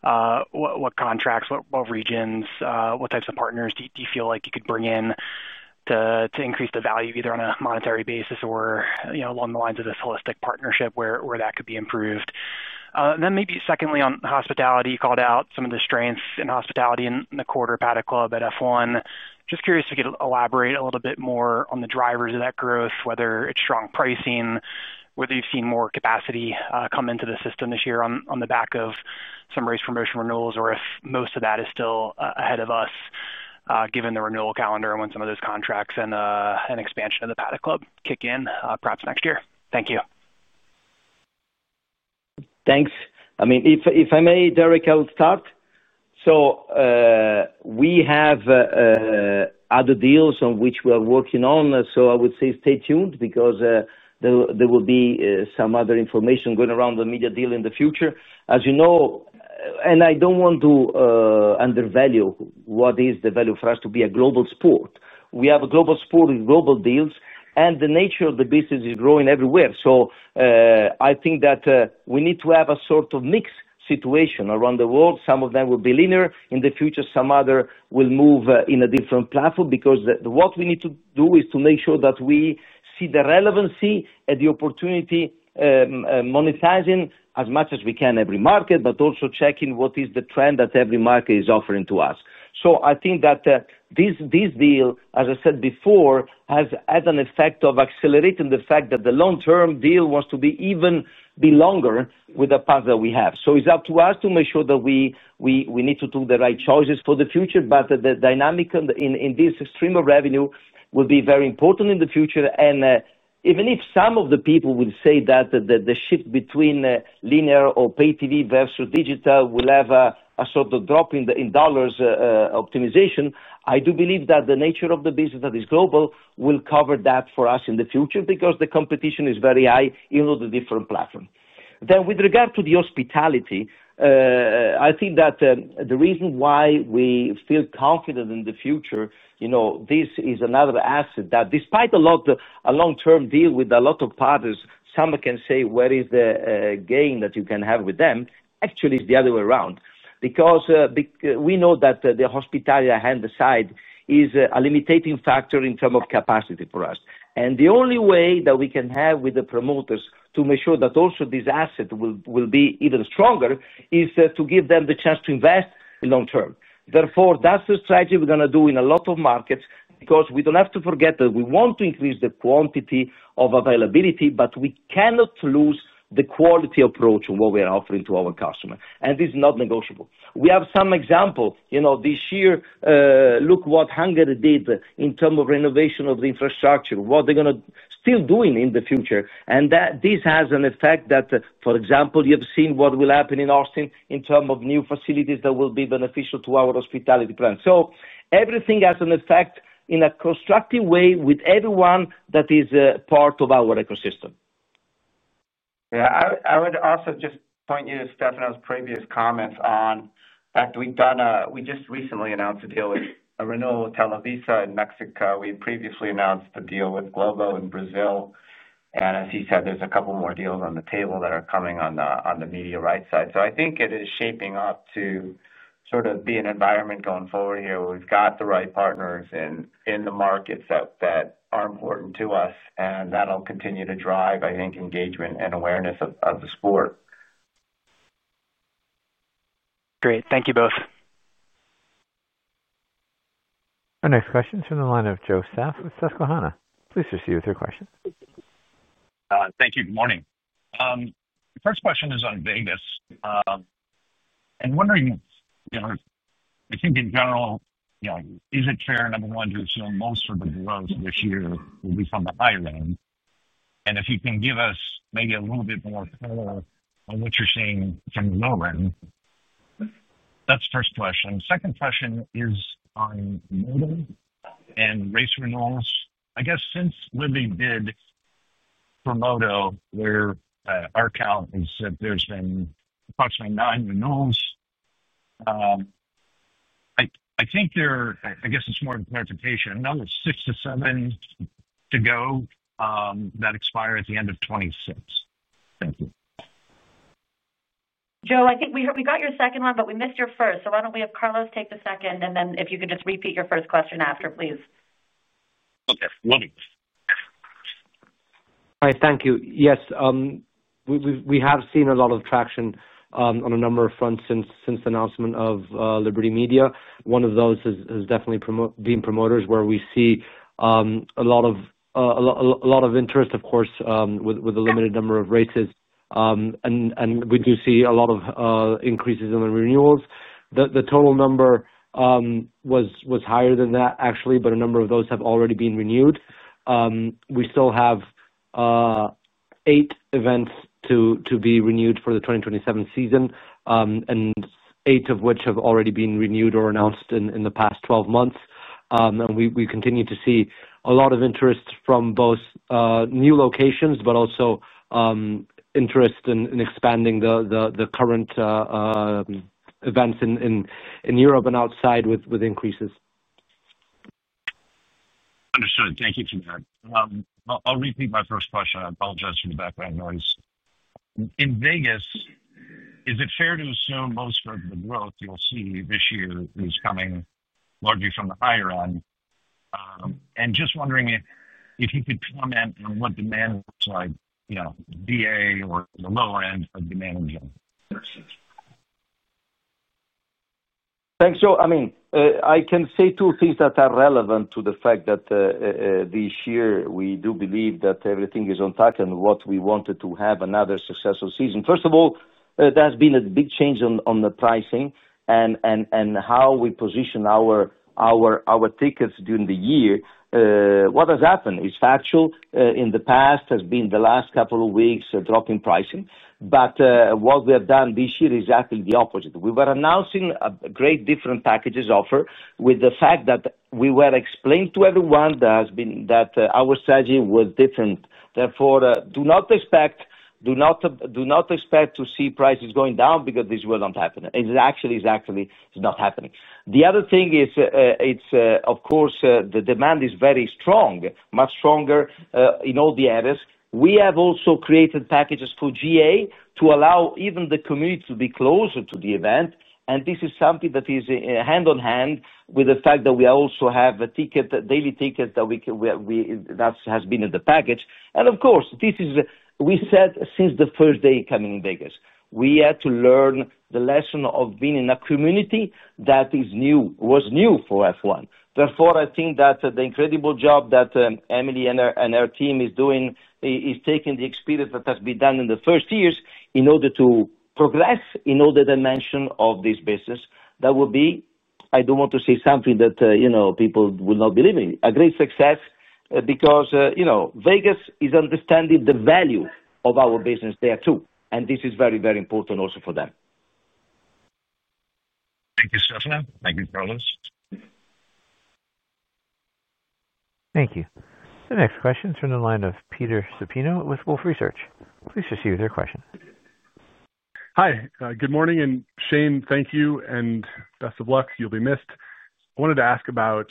What contracts, what regions, what types of partners do you feel like you could bring in to increase the value, either on a monetary basis or along the lines of this holistic partnership where that could be improved? Maybe secondly, on hospitality, you called out some of the strengths in hospitality in the quarter, Paddock Club at F1. Just curious if you could elaborate a little bit more on the drivers of that growth, whether it's strong pricing, whether you've seen more capacity come into the system this year on the back of some race promotion renewals, or if most of that is still ahead of us. Given the renewal calendar and when some of those contracts and expansion of the Paddock Club kick in perhaps next year. Thank you. Thanks. I mean, if I may, Derek, I'll start. We have other deals on which we are working. I would say stay tuned because there will be some other information going around the media deal in the future. As you know, and I don't want to undervalue what is the value for us to be a global sport. We have a global sport with global deals, and the nature of the business is growing everywhere. I think that we need to have a sort of mixed situation around the world. Some of them will be linear in the future. Some others will move in a different platform because what we need to do is to make sure that we see the relevancy and the opportunity. Monetizing as much as we can every market, but also checking what is the trend that every market is offering to us. I think that this deal, as I said before, has had an effect of accelerating the fact that the long-term deal wants to be even longer with the path that we have. It is up to us to make sure that we need to do the right choices for the future. The dynamic in this stream of revenue will be very important in the future. Even if some of the people will say that the shift between linear or pay-TV versus digital will have a sort of drop in dollars optimization, I do believe that the nature of the business that is global will cover that for us in the future because the competition is very high in all the different platforms. With regard to the hospitality, I think that the reason why we feel confident in the future, this is another asset that, despite a long-term deal with a lot of partners, some can say, "Where is the gain that you can have with them?" Actually, it's the other way around because we know that the hospitality and the side is a limiting factor in terms of capacity for us. The only way that we can have with the promoters to make sure that also this asset will be even stronger is to give them the chance to invest long-term. Therefore, that's the strategy we're going to do in a lot of markets because we don't have to forget that we want to increase the quantity of availability, but we cannot lose the quality approach of what we are offering to our customers. This is not negotiable. We have some examples this year. Look what Hungary did in terms of renovation of the infrastructure, what they're going to still do in the future. This has an effect that, for example, you have seen what will happen in Austin in terms of new facilities that will be beneficial to our hospitality brand. Everything has an effect in a constructive way with everyone that is part of our ecosystem. Yeah. I would also just point you to Stefano's previous comments on the fact that we just recently announced a deal with a renewal with Televisa in Mexico. We previously announced a deal with Globo in Brazil. As he said, there's a couple more deals on the table that are coming on the media right side. I think it is shaping up to sort of be an environment going forward here where we've got the right partners in the markets that are important to us. That'll continue to drive, I think, engagement and awareness of the sport. Great. Thank you both. Our next question is from the line of Joe Stauff with Susquehanna. Please proceed with your question. Thank you. Good morning. First question is on Vegas. And wondering. I think in general, is it fair, number one, to assume most of the growth this year will be from the higher end? And if you can give us maybe a little bit more color on what you're seeing from the lower end. That's the first question. Second question is on Moto and race renewals. I guess since Liberty did promote Moto, where our count is that there's been approximately nine renewals. I guess it's more of a clarification. Another six to seven to go that expire at the end of 2026. Thank you. Joe, I think we got your second one, but we missed your first. So why don't we have Carlos take the second? And then if you could just repeat your first question after, please. Okay. Love it. All right. Thank you. Yes. We have seen a lot of traction on a number of fronts since the announcement of Liberty Media. One of those has definitely been promoters where we see a lot of interest, of course, with a limited number of races. We do see a lot of increases in the renewals. The total number was higher than that, actually, but a number of those have already been renewed. We still have eight events to be renewed for the 2027 season, and eight of which have already been renewed or announced in the past 12 months. We continue to see a lot of interest from both new locations, but also interest in expanding the current events in Europe and outside with increases. Understood. Thank you for that. I'll repeat my first question. I apologize for the background noise. In Vegas.Is it fair to assume most of the growth you'll see this year is coming largely from the higher end? Just wondering if you could comment on what demand looks like, VA or the lower end of demand in general. Thanks, Joe. I mean, I can say two things that are relevant to the fact that this year we do believe that everything is on track and what we wanted to have another successful season. First of all, there has been a big change on the pricing and how we position our tickets during the year. What has happened is factual. In the past, it has been the last couple of weeks dropping pricing. What we have done this year is exactly the opposite. We were announcing a great different packages offer with the fact that we were explaining to everyone that our strategy was different. Therefore, do not expect to see prices going down because this will not happen. It actually is not happening. The other thing is, of course, the demand is very strong, much stronger in all the areas. We have also created packages for GA to allow even the community to be closer to the event. This is something that is hand in hand with the fact that we also have daily tickets that have been in the package. Of course, we said since the first day coming in Vegas, we had to learn the lesson of being in a community that was new for F1. Therefore, I think that the incredible job that Emily and her team is doing is taking the experience that has been done in the first years in order to progress in all the dimensions of this business. That will be, I don't want to say something that people will not believe in, a great success because. Vegas is understanding the value of our business there too. This is very, very important also for them. Thank you, Stefano. Thank you, Carlos. Thank you. The next question is from the line of Peter Supino with Wolfe Research. Please proceed with your question. Hi. Good morning. And Shane, thank you. Best of luck. You'll be missed. I wanted to ask about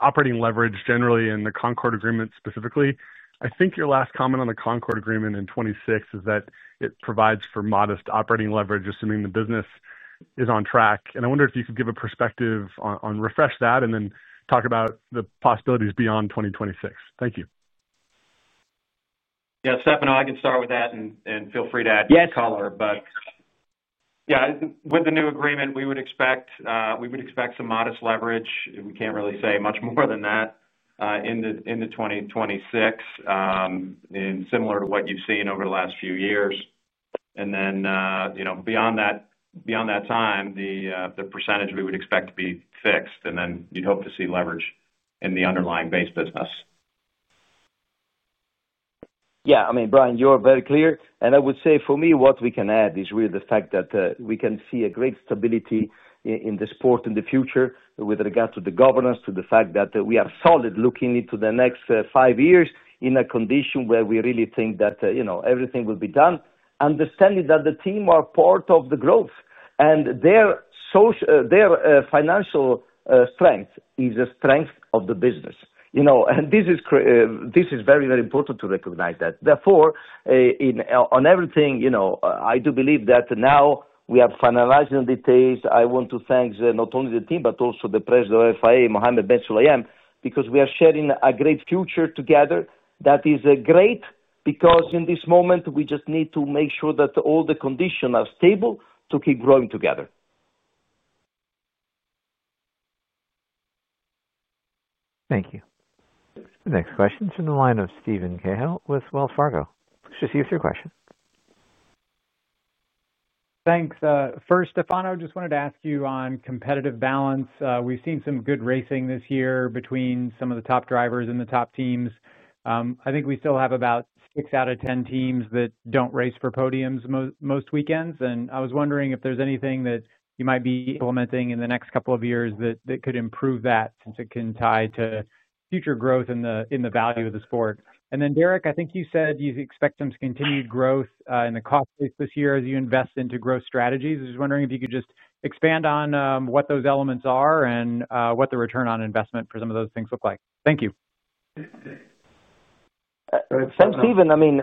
operating leverage generally in the Concorde Agreement specifically. I think your last comment on the Concorde Agreement in 2026 is that it provides for modest operating leverage, assuming the business is on track. I wonder if you could give a perspective on refresh that and then talk about the possibilities beyond 2026. Thank you. Yeah. Stefano, I can start with that and feel free to add to the caller. With the new agreement, we would expect some modest leverage. We can't really say much more than that. Into 2026. Similar to what you've seen over the last few years. Beyond that time, the percentage we would expect to be fixed. You'd hope to see leverage in the underlying base business. Yeah. I mean, Brian, you're very clear. I would say for me, what we can add is really the fact that we can see a great stability in the sport in the future with regard to the governance, to the fact that we are solid looking into the next five years in a condition where we really think that everything will be done, understanding that the team are part of the growth. And their. Financial strength is the strength of the business. This is very, very important to recognize. Therefore, on everything, I do believe that now we have finalized the details. I want to thank not only the team, but also the President of FIA, Mohammed Ben Sulayem, because we are sharing a great future together. That is great because in this moment, we just need to make sure that all the conditions are stable to keep growing together. Thank you. The next question is from the line of Steven Cahall with Wells Fargo. Please proceed with your question. Thanks. First, Stefano, I just wanted to ask you on competitive balance. We have seen some good racing this year between some of the top drivers and the top teams. I think we still have about 6 out of 10 teams that do not race for podiums most weekends. I was wondering if there's anything that you might be implementing in the next couple of years that could improve that since it can tie to future growth in the value of the sport. Derek, I think you said you expect some continued growth in the cost base this year as you invest into growth strategies. I was wondering if you could just expand on what those elements are and what the return on investment for some of those things look like. Thank you. Steven, I mean.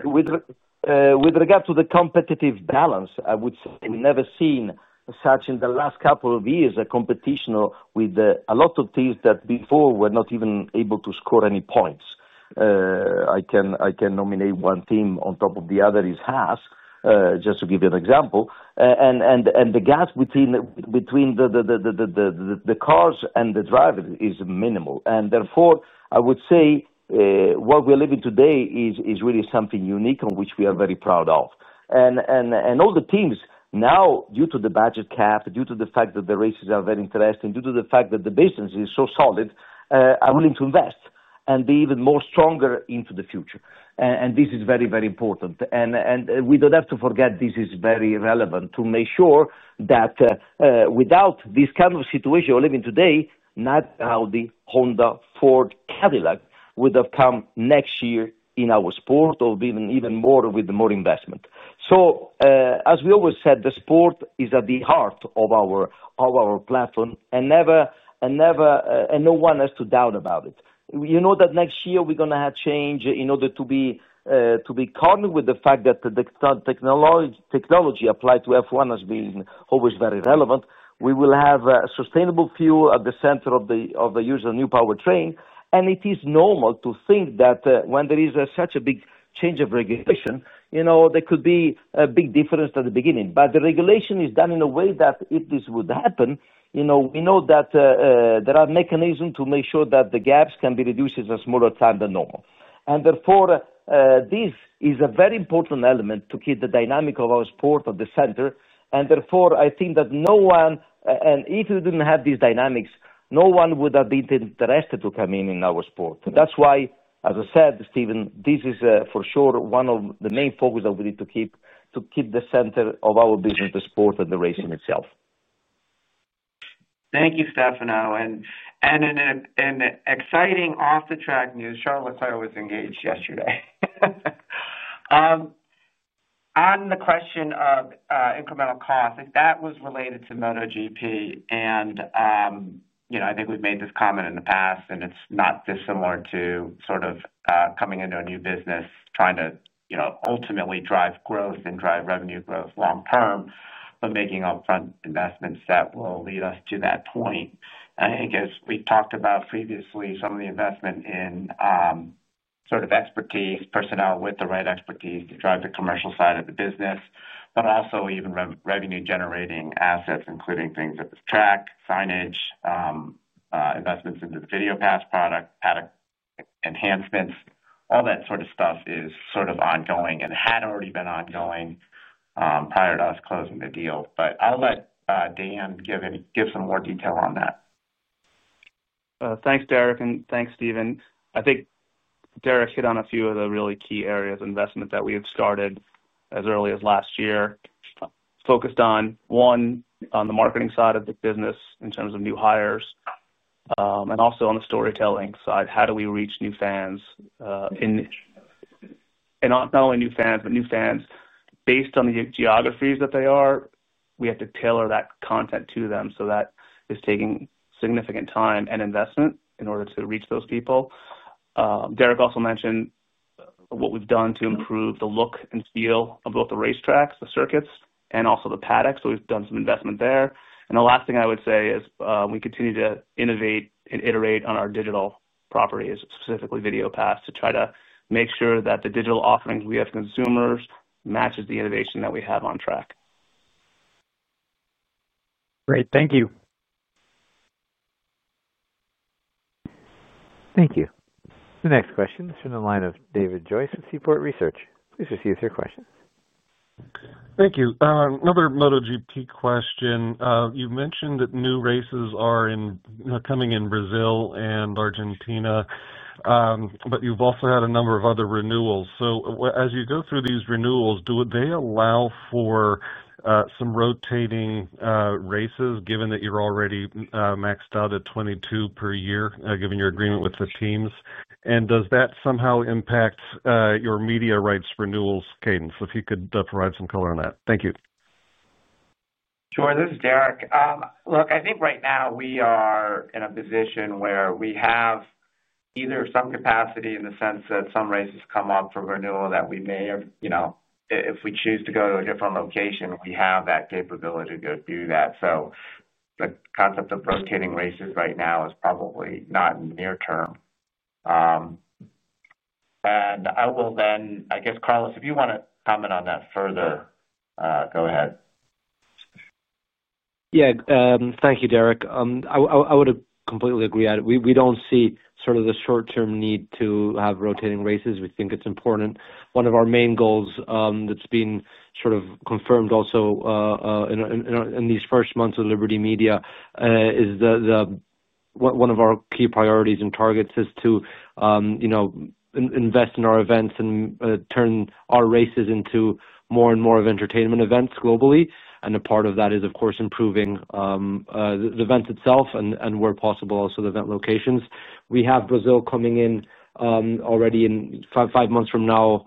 With regard to the competitive balance, I would say we've never seen such in the last couple of years of competition with a lot of teams that before were not even able to score any points. I can nominate one team on top of the other's hats just to give you an example. And the gap between. The cars and the drivers is minimal. Therefore, I would say what we're living today is really something unique on which we are very proud of. All the teams now, due to the budget cap, due to the fact that the races are very interesting, due to the fact that the business is so solid, are willing to invest and be even more stronger into the future. This is very, very important. We don't have to forget this is very relevant to make sure that without this kind of situation we're living today, not Audi, Honda, Ford, Cadillac would have come next year in our sport or even more with more investment. As we always said, the sport is at the heart of our platform, and no one has to doubt about it. You know that next year we're going to have change in order to be cognizant with the fact that the technology applied to F1 has been always very relevant. We will have sustainable fuel at the center of the usual new powertrain. It is normal to think that when there is such a big change of regulation, there could be a big difference at the beginning. The regulation is done in a way that if this would happen, we know that there are mechanisms to make sure that the gaps can be reduced in a smaller time than normal. Therefore, this is a very important element to keep the dynamic of our sport at the center. Therefore, I think that no one, and if we didn't have these dynamics, no one would have been interested to come in our sport. That's why, as I said, Steven, this is for sure one of the main focuses that we need to keep the center of our business, the sport, and the racing itself. Thank you, Stefano. An exciting off-the-track news. Charlotte was engaged yesterday. On the question of incremental costs, if that was related to MotoGP, I think we've made this comment in the past, and it's not dissimilar to sort of coming into a new business, trying to ultimately drive growth and drive revenue growth long term, but making upfront investments that will lead us to that point. I think, as we talked about previously, some of the investment in sort of expertise, personnel with the right expertise to drive the commercial side of the business, but also even revenue-generating assets, including things at the track, signage. Investments into the Video Pass product, product enhancements, all that sort of stuff is sort of ongoing and had already been ongoing prior to us closing the deal. I'll let Dan give some more detail on that. Thanks, Derek. Thanks, Steven. I think Derek hit on a few of the really key areas of investment that we have started as early as last year, focused on, one, on the marketing side of the business in terms of new hires. Also on the storytelling side, how do we reach new fans. Not only new fans, but new fans based on the geographies that they are, we have to tailor that content to them. That is taking significant time and investment in order to reach those people. Derek also mentioned what we've done to improve the look and feel of both the racetracks, the circuits, and also the paddocks. We have done some investment there. The last thing I would say is we continue to innovate and iterate on our digital properties, specifically Video Pass, to try to make sure that the digital offerings we have for consumers match the innovation that we have on track. Great. Thank you. Thank you. The next question is from the line of David Joyce with Seaport Research. Please proceed with your questions. Thank you. Another MotoGP question. You mentioned that new races are coming in Brazil and Argentina. You have also had a number of other renewals. As you go through these renewals, do they allow for some rotating races given that you're already maxed out at 22 per year given your agreement with the teams? Does that somehow impact your media rights renewals cadence? If you could provide some color on that. Thank you. Sure. This is Derek. Look, I think right now we are in a position where we have either some capacity in the sense that some races come up for renewal that we may have. If we choose to go to a different location, we have that capability to do that. The concept of rotating races right now is probably not near term. I will then, I guess, Carlos, if you want to comment on that further, go ahead. Yeah. Thank you, Derek. I would completely agree on it. We do not see sort of the short-term need to have rotating races. We think it is important. One of our main goals that has been sort of confirmed also in these first months of Liberty Media is that. One of our key priorities and targets is to invest in our events and turn our races into more and more of entertainment events globally. A part of that is, of course, improving the event itself and, where possible, also the event locations. We have Brazil coming in already in five months from now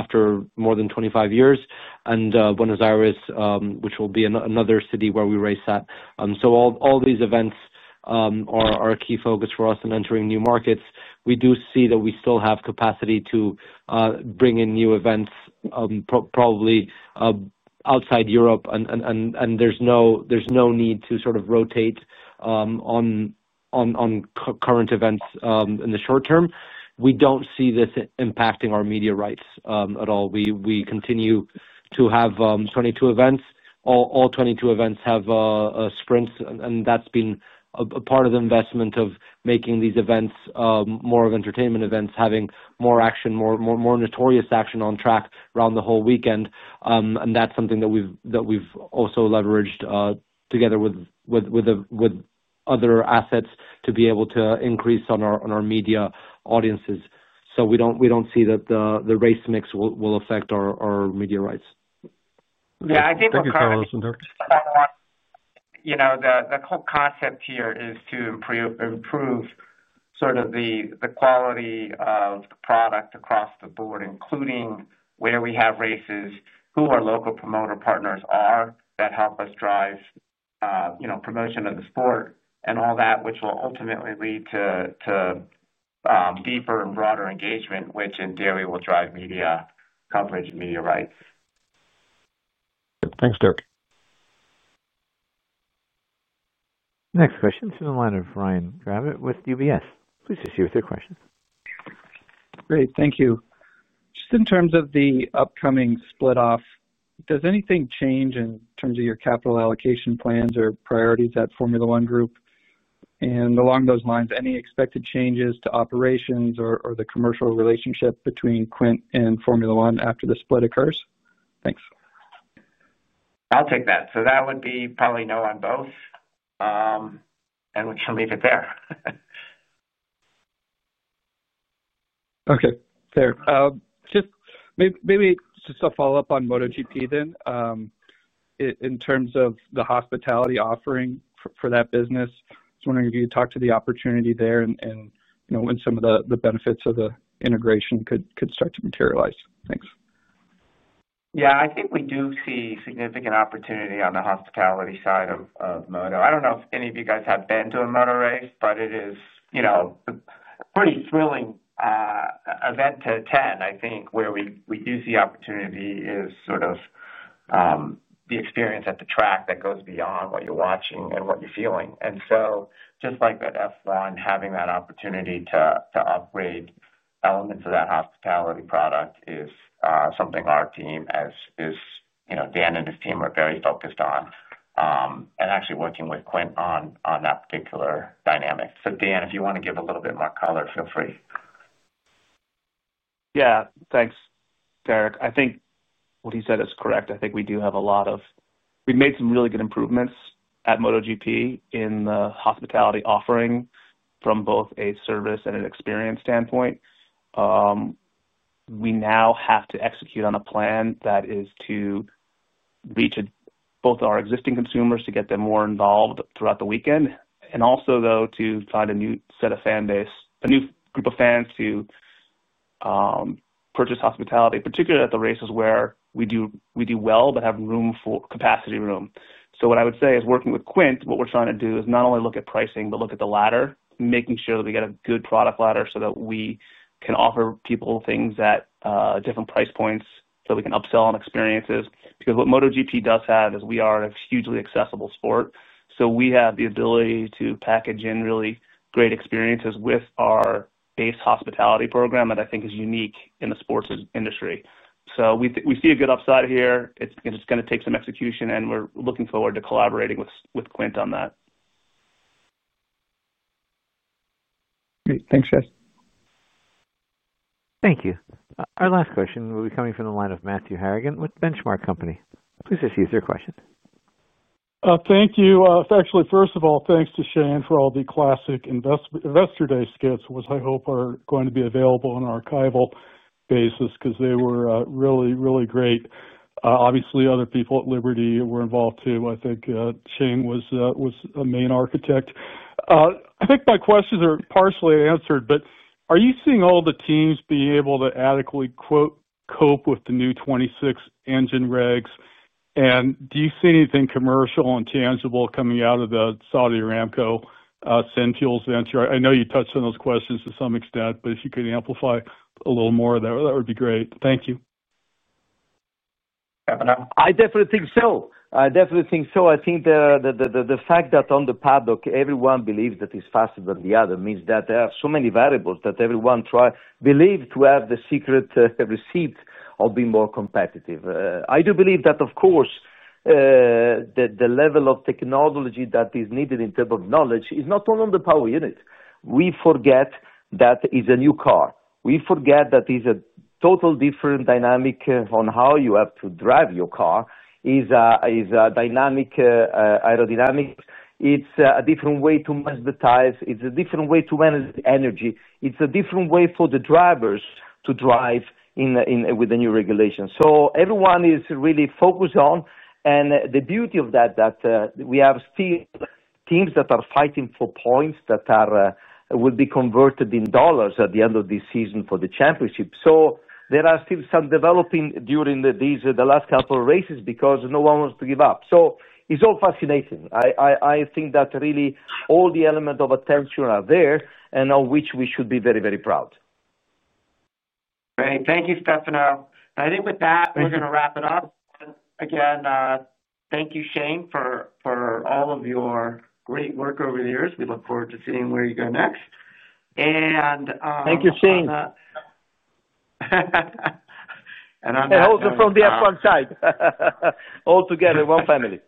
after more than 25 years, and Buenos Aires, which will be another city where we race at. All these events are a key focus for us in entering new markets. We do see that we still have capacity to bring in new events, probably outside Europe, and there is no need to sort of rotate on current events in the short term. We do not see this impacting our media rights at all. We continue to have 22 events. All 22 events have sprints, and that's been a part of the investment of making these events more of entertainment events, having more action, more notorious action on track around the whole weekend. That's something that we've also leveraged together with other assets to be able to increase on our media audiences. We don't see that the race mix will affect our media rights. Yeah. I think for Carlos, the whole concept here is to improve sort of the quality of the product across the board, including where we have races, who our local promoter partners are that help us drive promotion of the sport and all that, which will ultimately lead to deeper and broader engagement, which in theory will drive media coverage and media rights. Thanks, Derek. The next question is from the line of Ryan Gravett with UBS. Please proceed with your questions. Great. Thank you. Just in terms of the upcoming split-off, does anything change in terms of your capital allocation plans or priorities at Formula One Group? Along those lines, any expected changes to operations or the commercial relationship between Quint and Formula One after the split occurs? Thanks. I'll take that. That would be probably no on both. We can leave it there. Okay. Fair. Maybe just a follow-up on MotoGP then. In terms of the hospitality offering for that business, I was wondering if you'd talk to the opportunity there and when some of the benefits of the integration could start to materialize. Thanks. Yeah. I think we do see significant opportunity on the hospitality side of Moto. I do not know if any of you guys have been to a Moto race, but it is a pretty thrilling. Event to attend, I think, where we use the opportunity is sort of. The experience at the track that goes beyond what you're watching and what you're feeling. Just like that F1, having that opportunity to upgrade elements of that hospitality product is something our team is. Dan and his team are very focused on. Actually working with Quint on that particular dynamic. Dan, if you want to give a little bit more color, feel free. Yeah. Thanks, Derek. I think what he said is correct. I think we do have a lot of. We've made some really good improvements at MotoGP in the hospitality offering from both a service and an experience standpoint. We now have to execute on a plan that is to. Reach both our existing consumers to get them more involved throughout the weekend, and also, though, to find a new set of fan base, a new group of fans to purchase hospitality, particularly at the races where we do well but have capacity room. What I would say is working with Quint, what we're trying to do is not only look at pricing, but look at the ladder, making sure that we get a good product ladder so that we can offer people things at different price points so we can upsell on experiences. What MotoGP does have is we are a hugely accessible sport. We have the ability to package in really great experiences with our base hospitality program that I think is unique in the sports industry. We see a good upside here. It's going to take some execution, and we're looking forward to collaborating with Quint on that. Great. Thanks, Shane. Thank you. Our last question will be coming from the line of Matthew Harrigan with Benchmark Company. Please proceed with your question. Thank you. Actually, first of all, thanks to Shane for all the classic Investor Day skits, which I hope are going to be available on an archival basis because they were really, really great. Obviously, other people at Liberty were involved too. I think Shane was a main architect. I think my questions are partially answered, but are you seeing all the teams being able to adequately cope with the new 26 engine regs? And do you see anything commercial and tangible coming out of the Saudi Aramco SIN fuels venture? I know you touched on those questions to some extent, but if you could amplify a little more of that, that would be great. Thank you. I definitely think so. I think the fact that on the paddock, everyone believes that it's faster than the other means that there are so many variables that everyone believes to have the secret receipt of being more competitive. I do believe that, of course. The level of technology that is needed in terms of knowledge is not only on the power unit. We forget that it's a new car. We forget that it's a totally different dynamic on how you have to drive your car. It's a dynamic aerodynamic. It's a different way to manage the tires. It's a different way to manage the energy. It's a different way for the drivers to drive with the new regulations. Everyone is really focused on, and the beauty of that, that we have still teams that are fighting for points that will be converted in dollars at the end of this season for the championship. There are still some developing during the last couple of races because no one wants to give up. It is all fascinating. I think that really all the elements of attention are there and of which we should be very, very proud. Great. Thank you, Stefano. I think with that, we're going to wrap it up. Again, thank you, Shane, for all of your great work over the years. We look forward to seeing where you go next. Thank you, Shane. I am not. The whole group from the F1 side. All together, one family.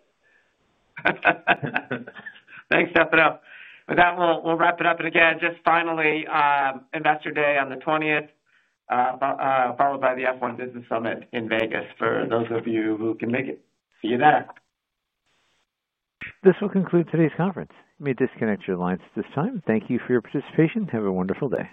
Thanks, Stefano. With that, we'll wrap it up. Again, just finally, Investor Day on the 20th. Followed by the F1 Business Summit in Vegas for those of you who can make it. See you there. This will conclude today's conference. You may disconnect your lines at this time. Thank you for your participation. Have a wonderful day.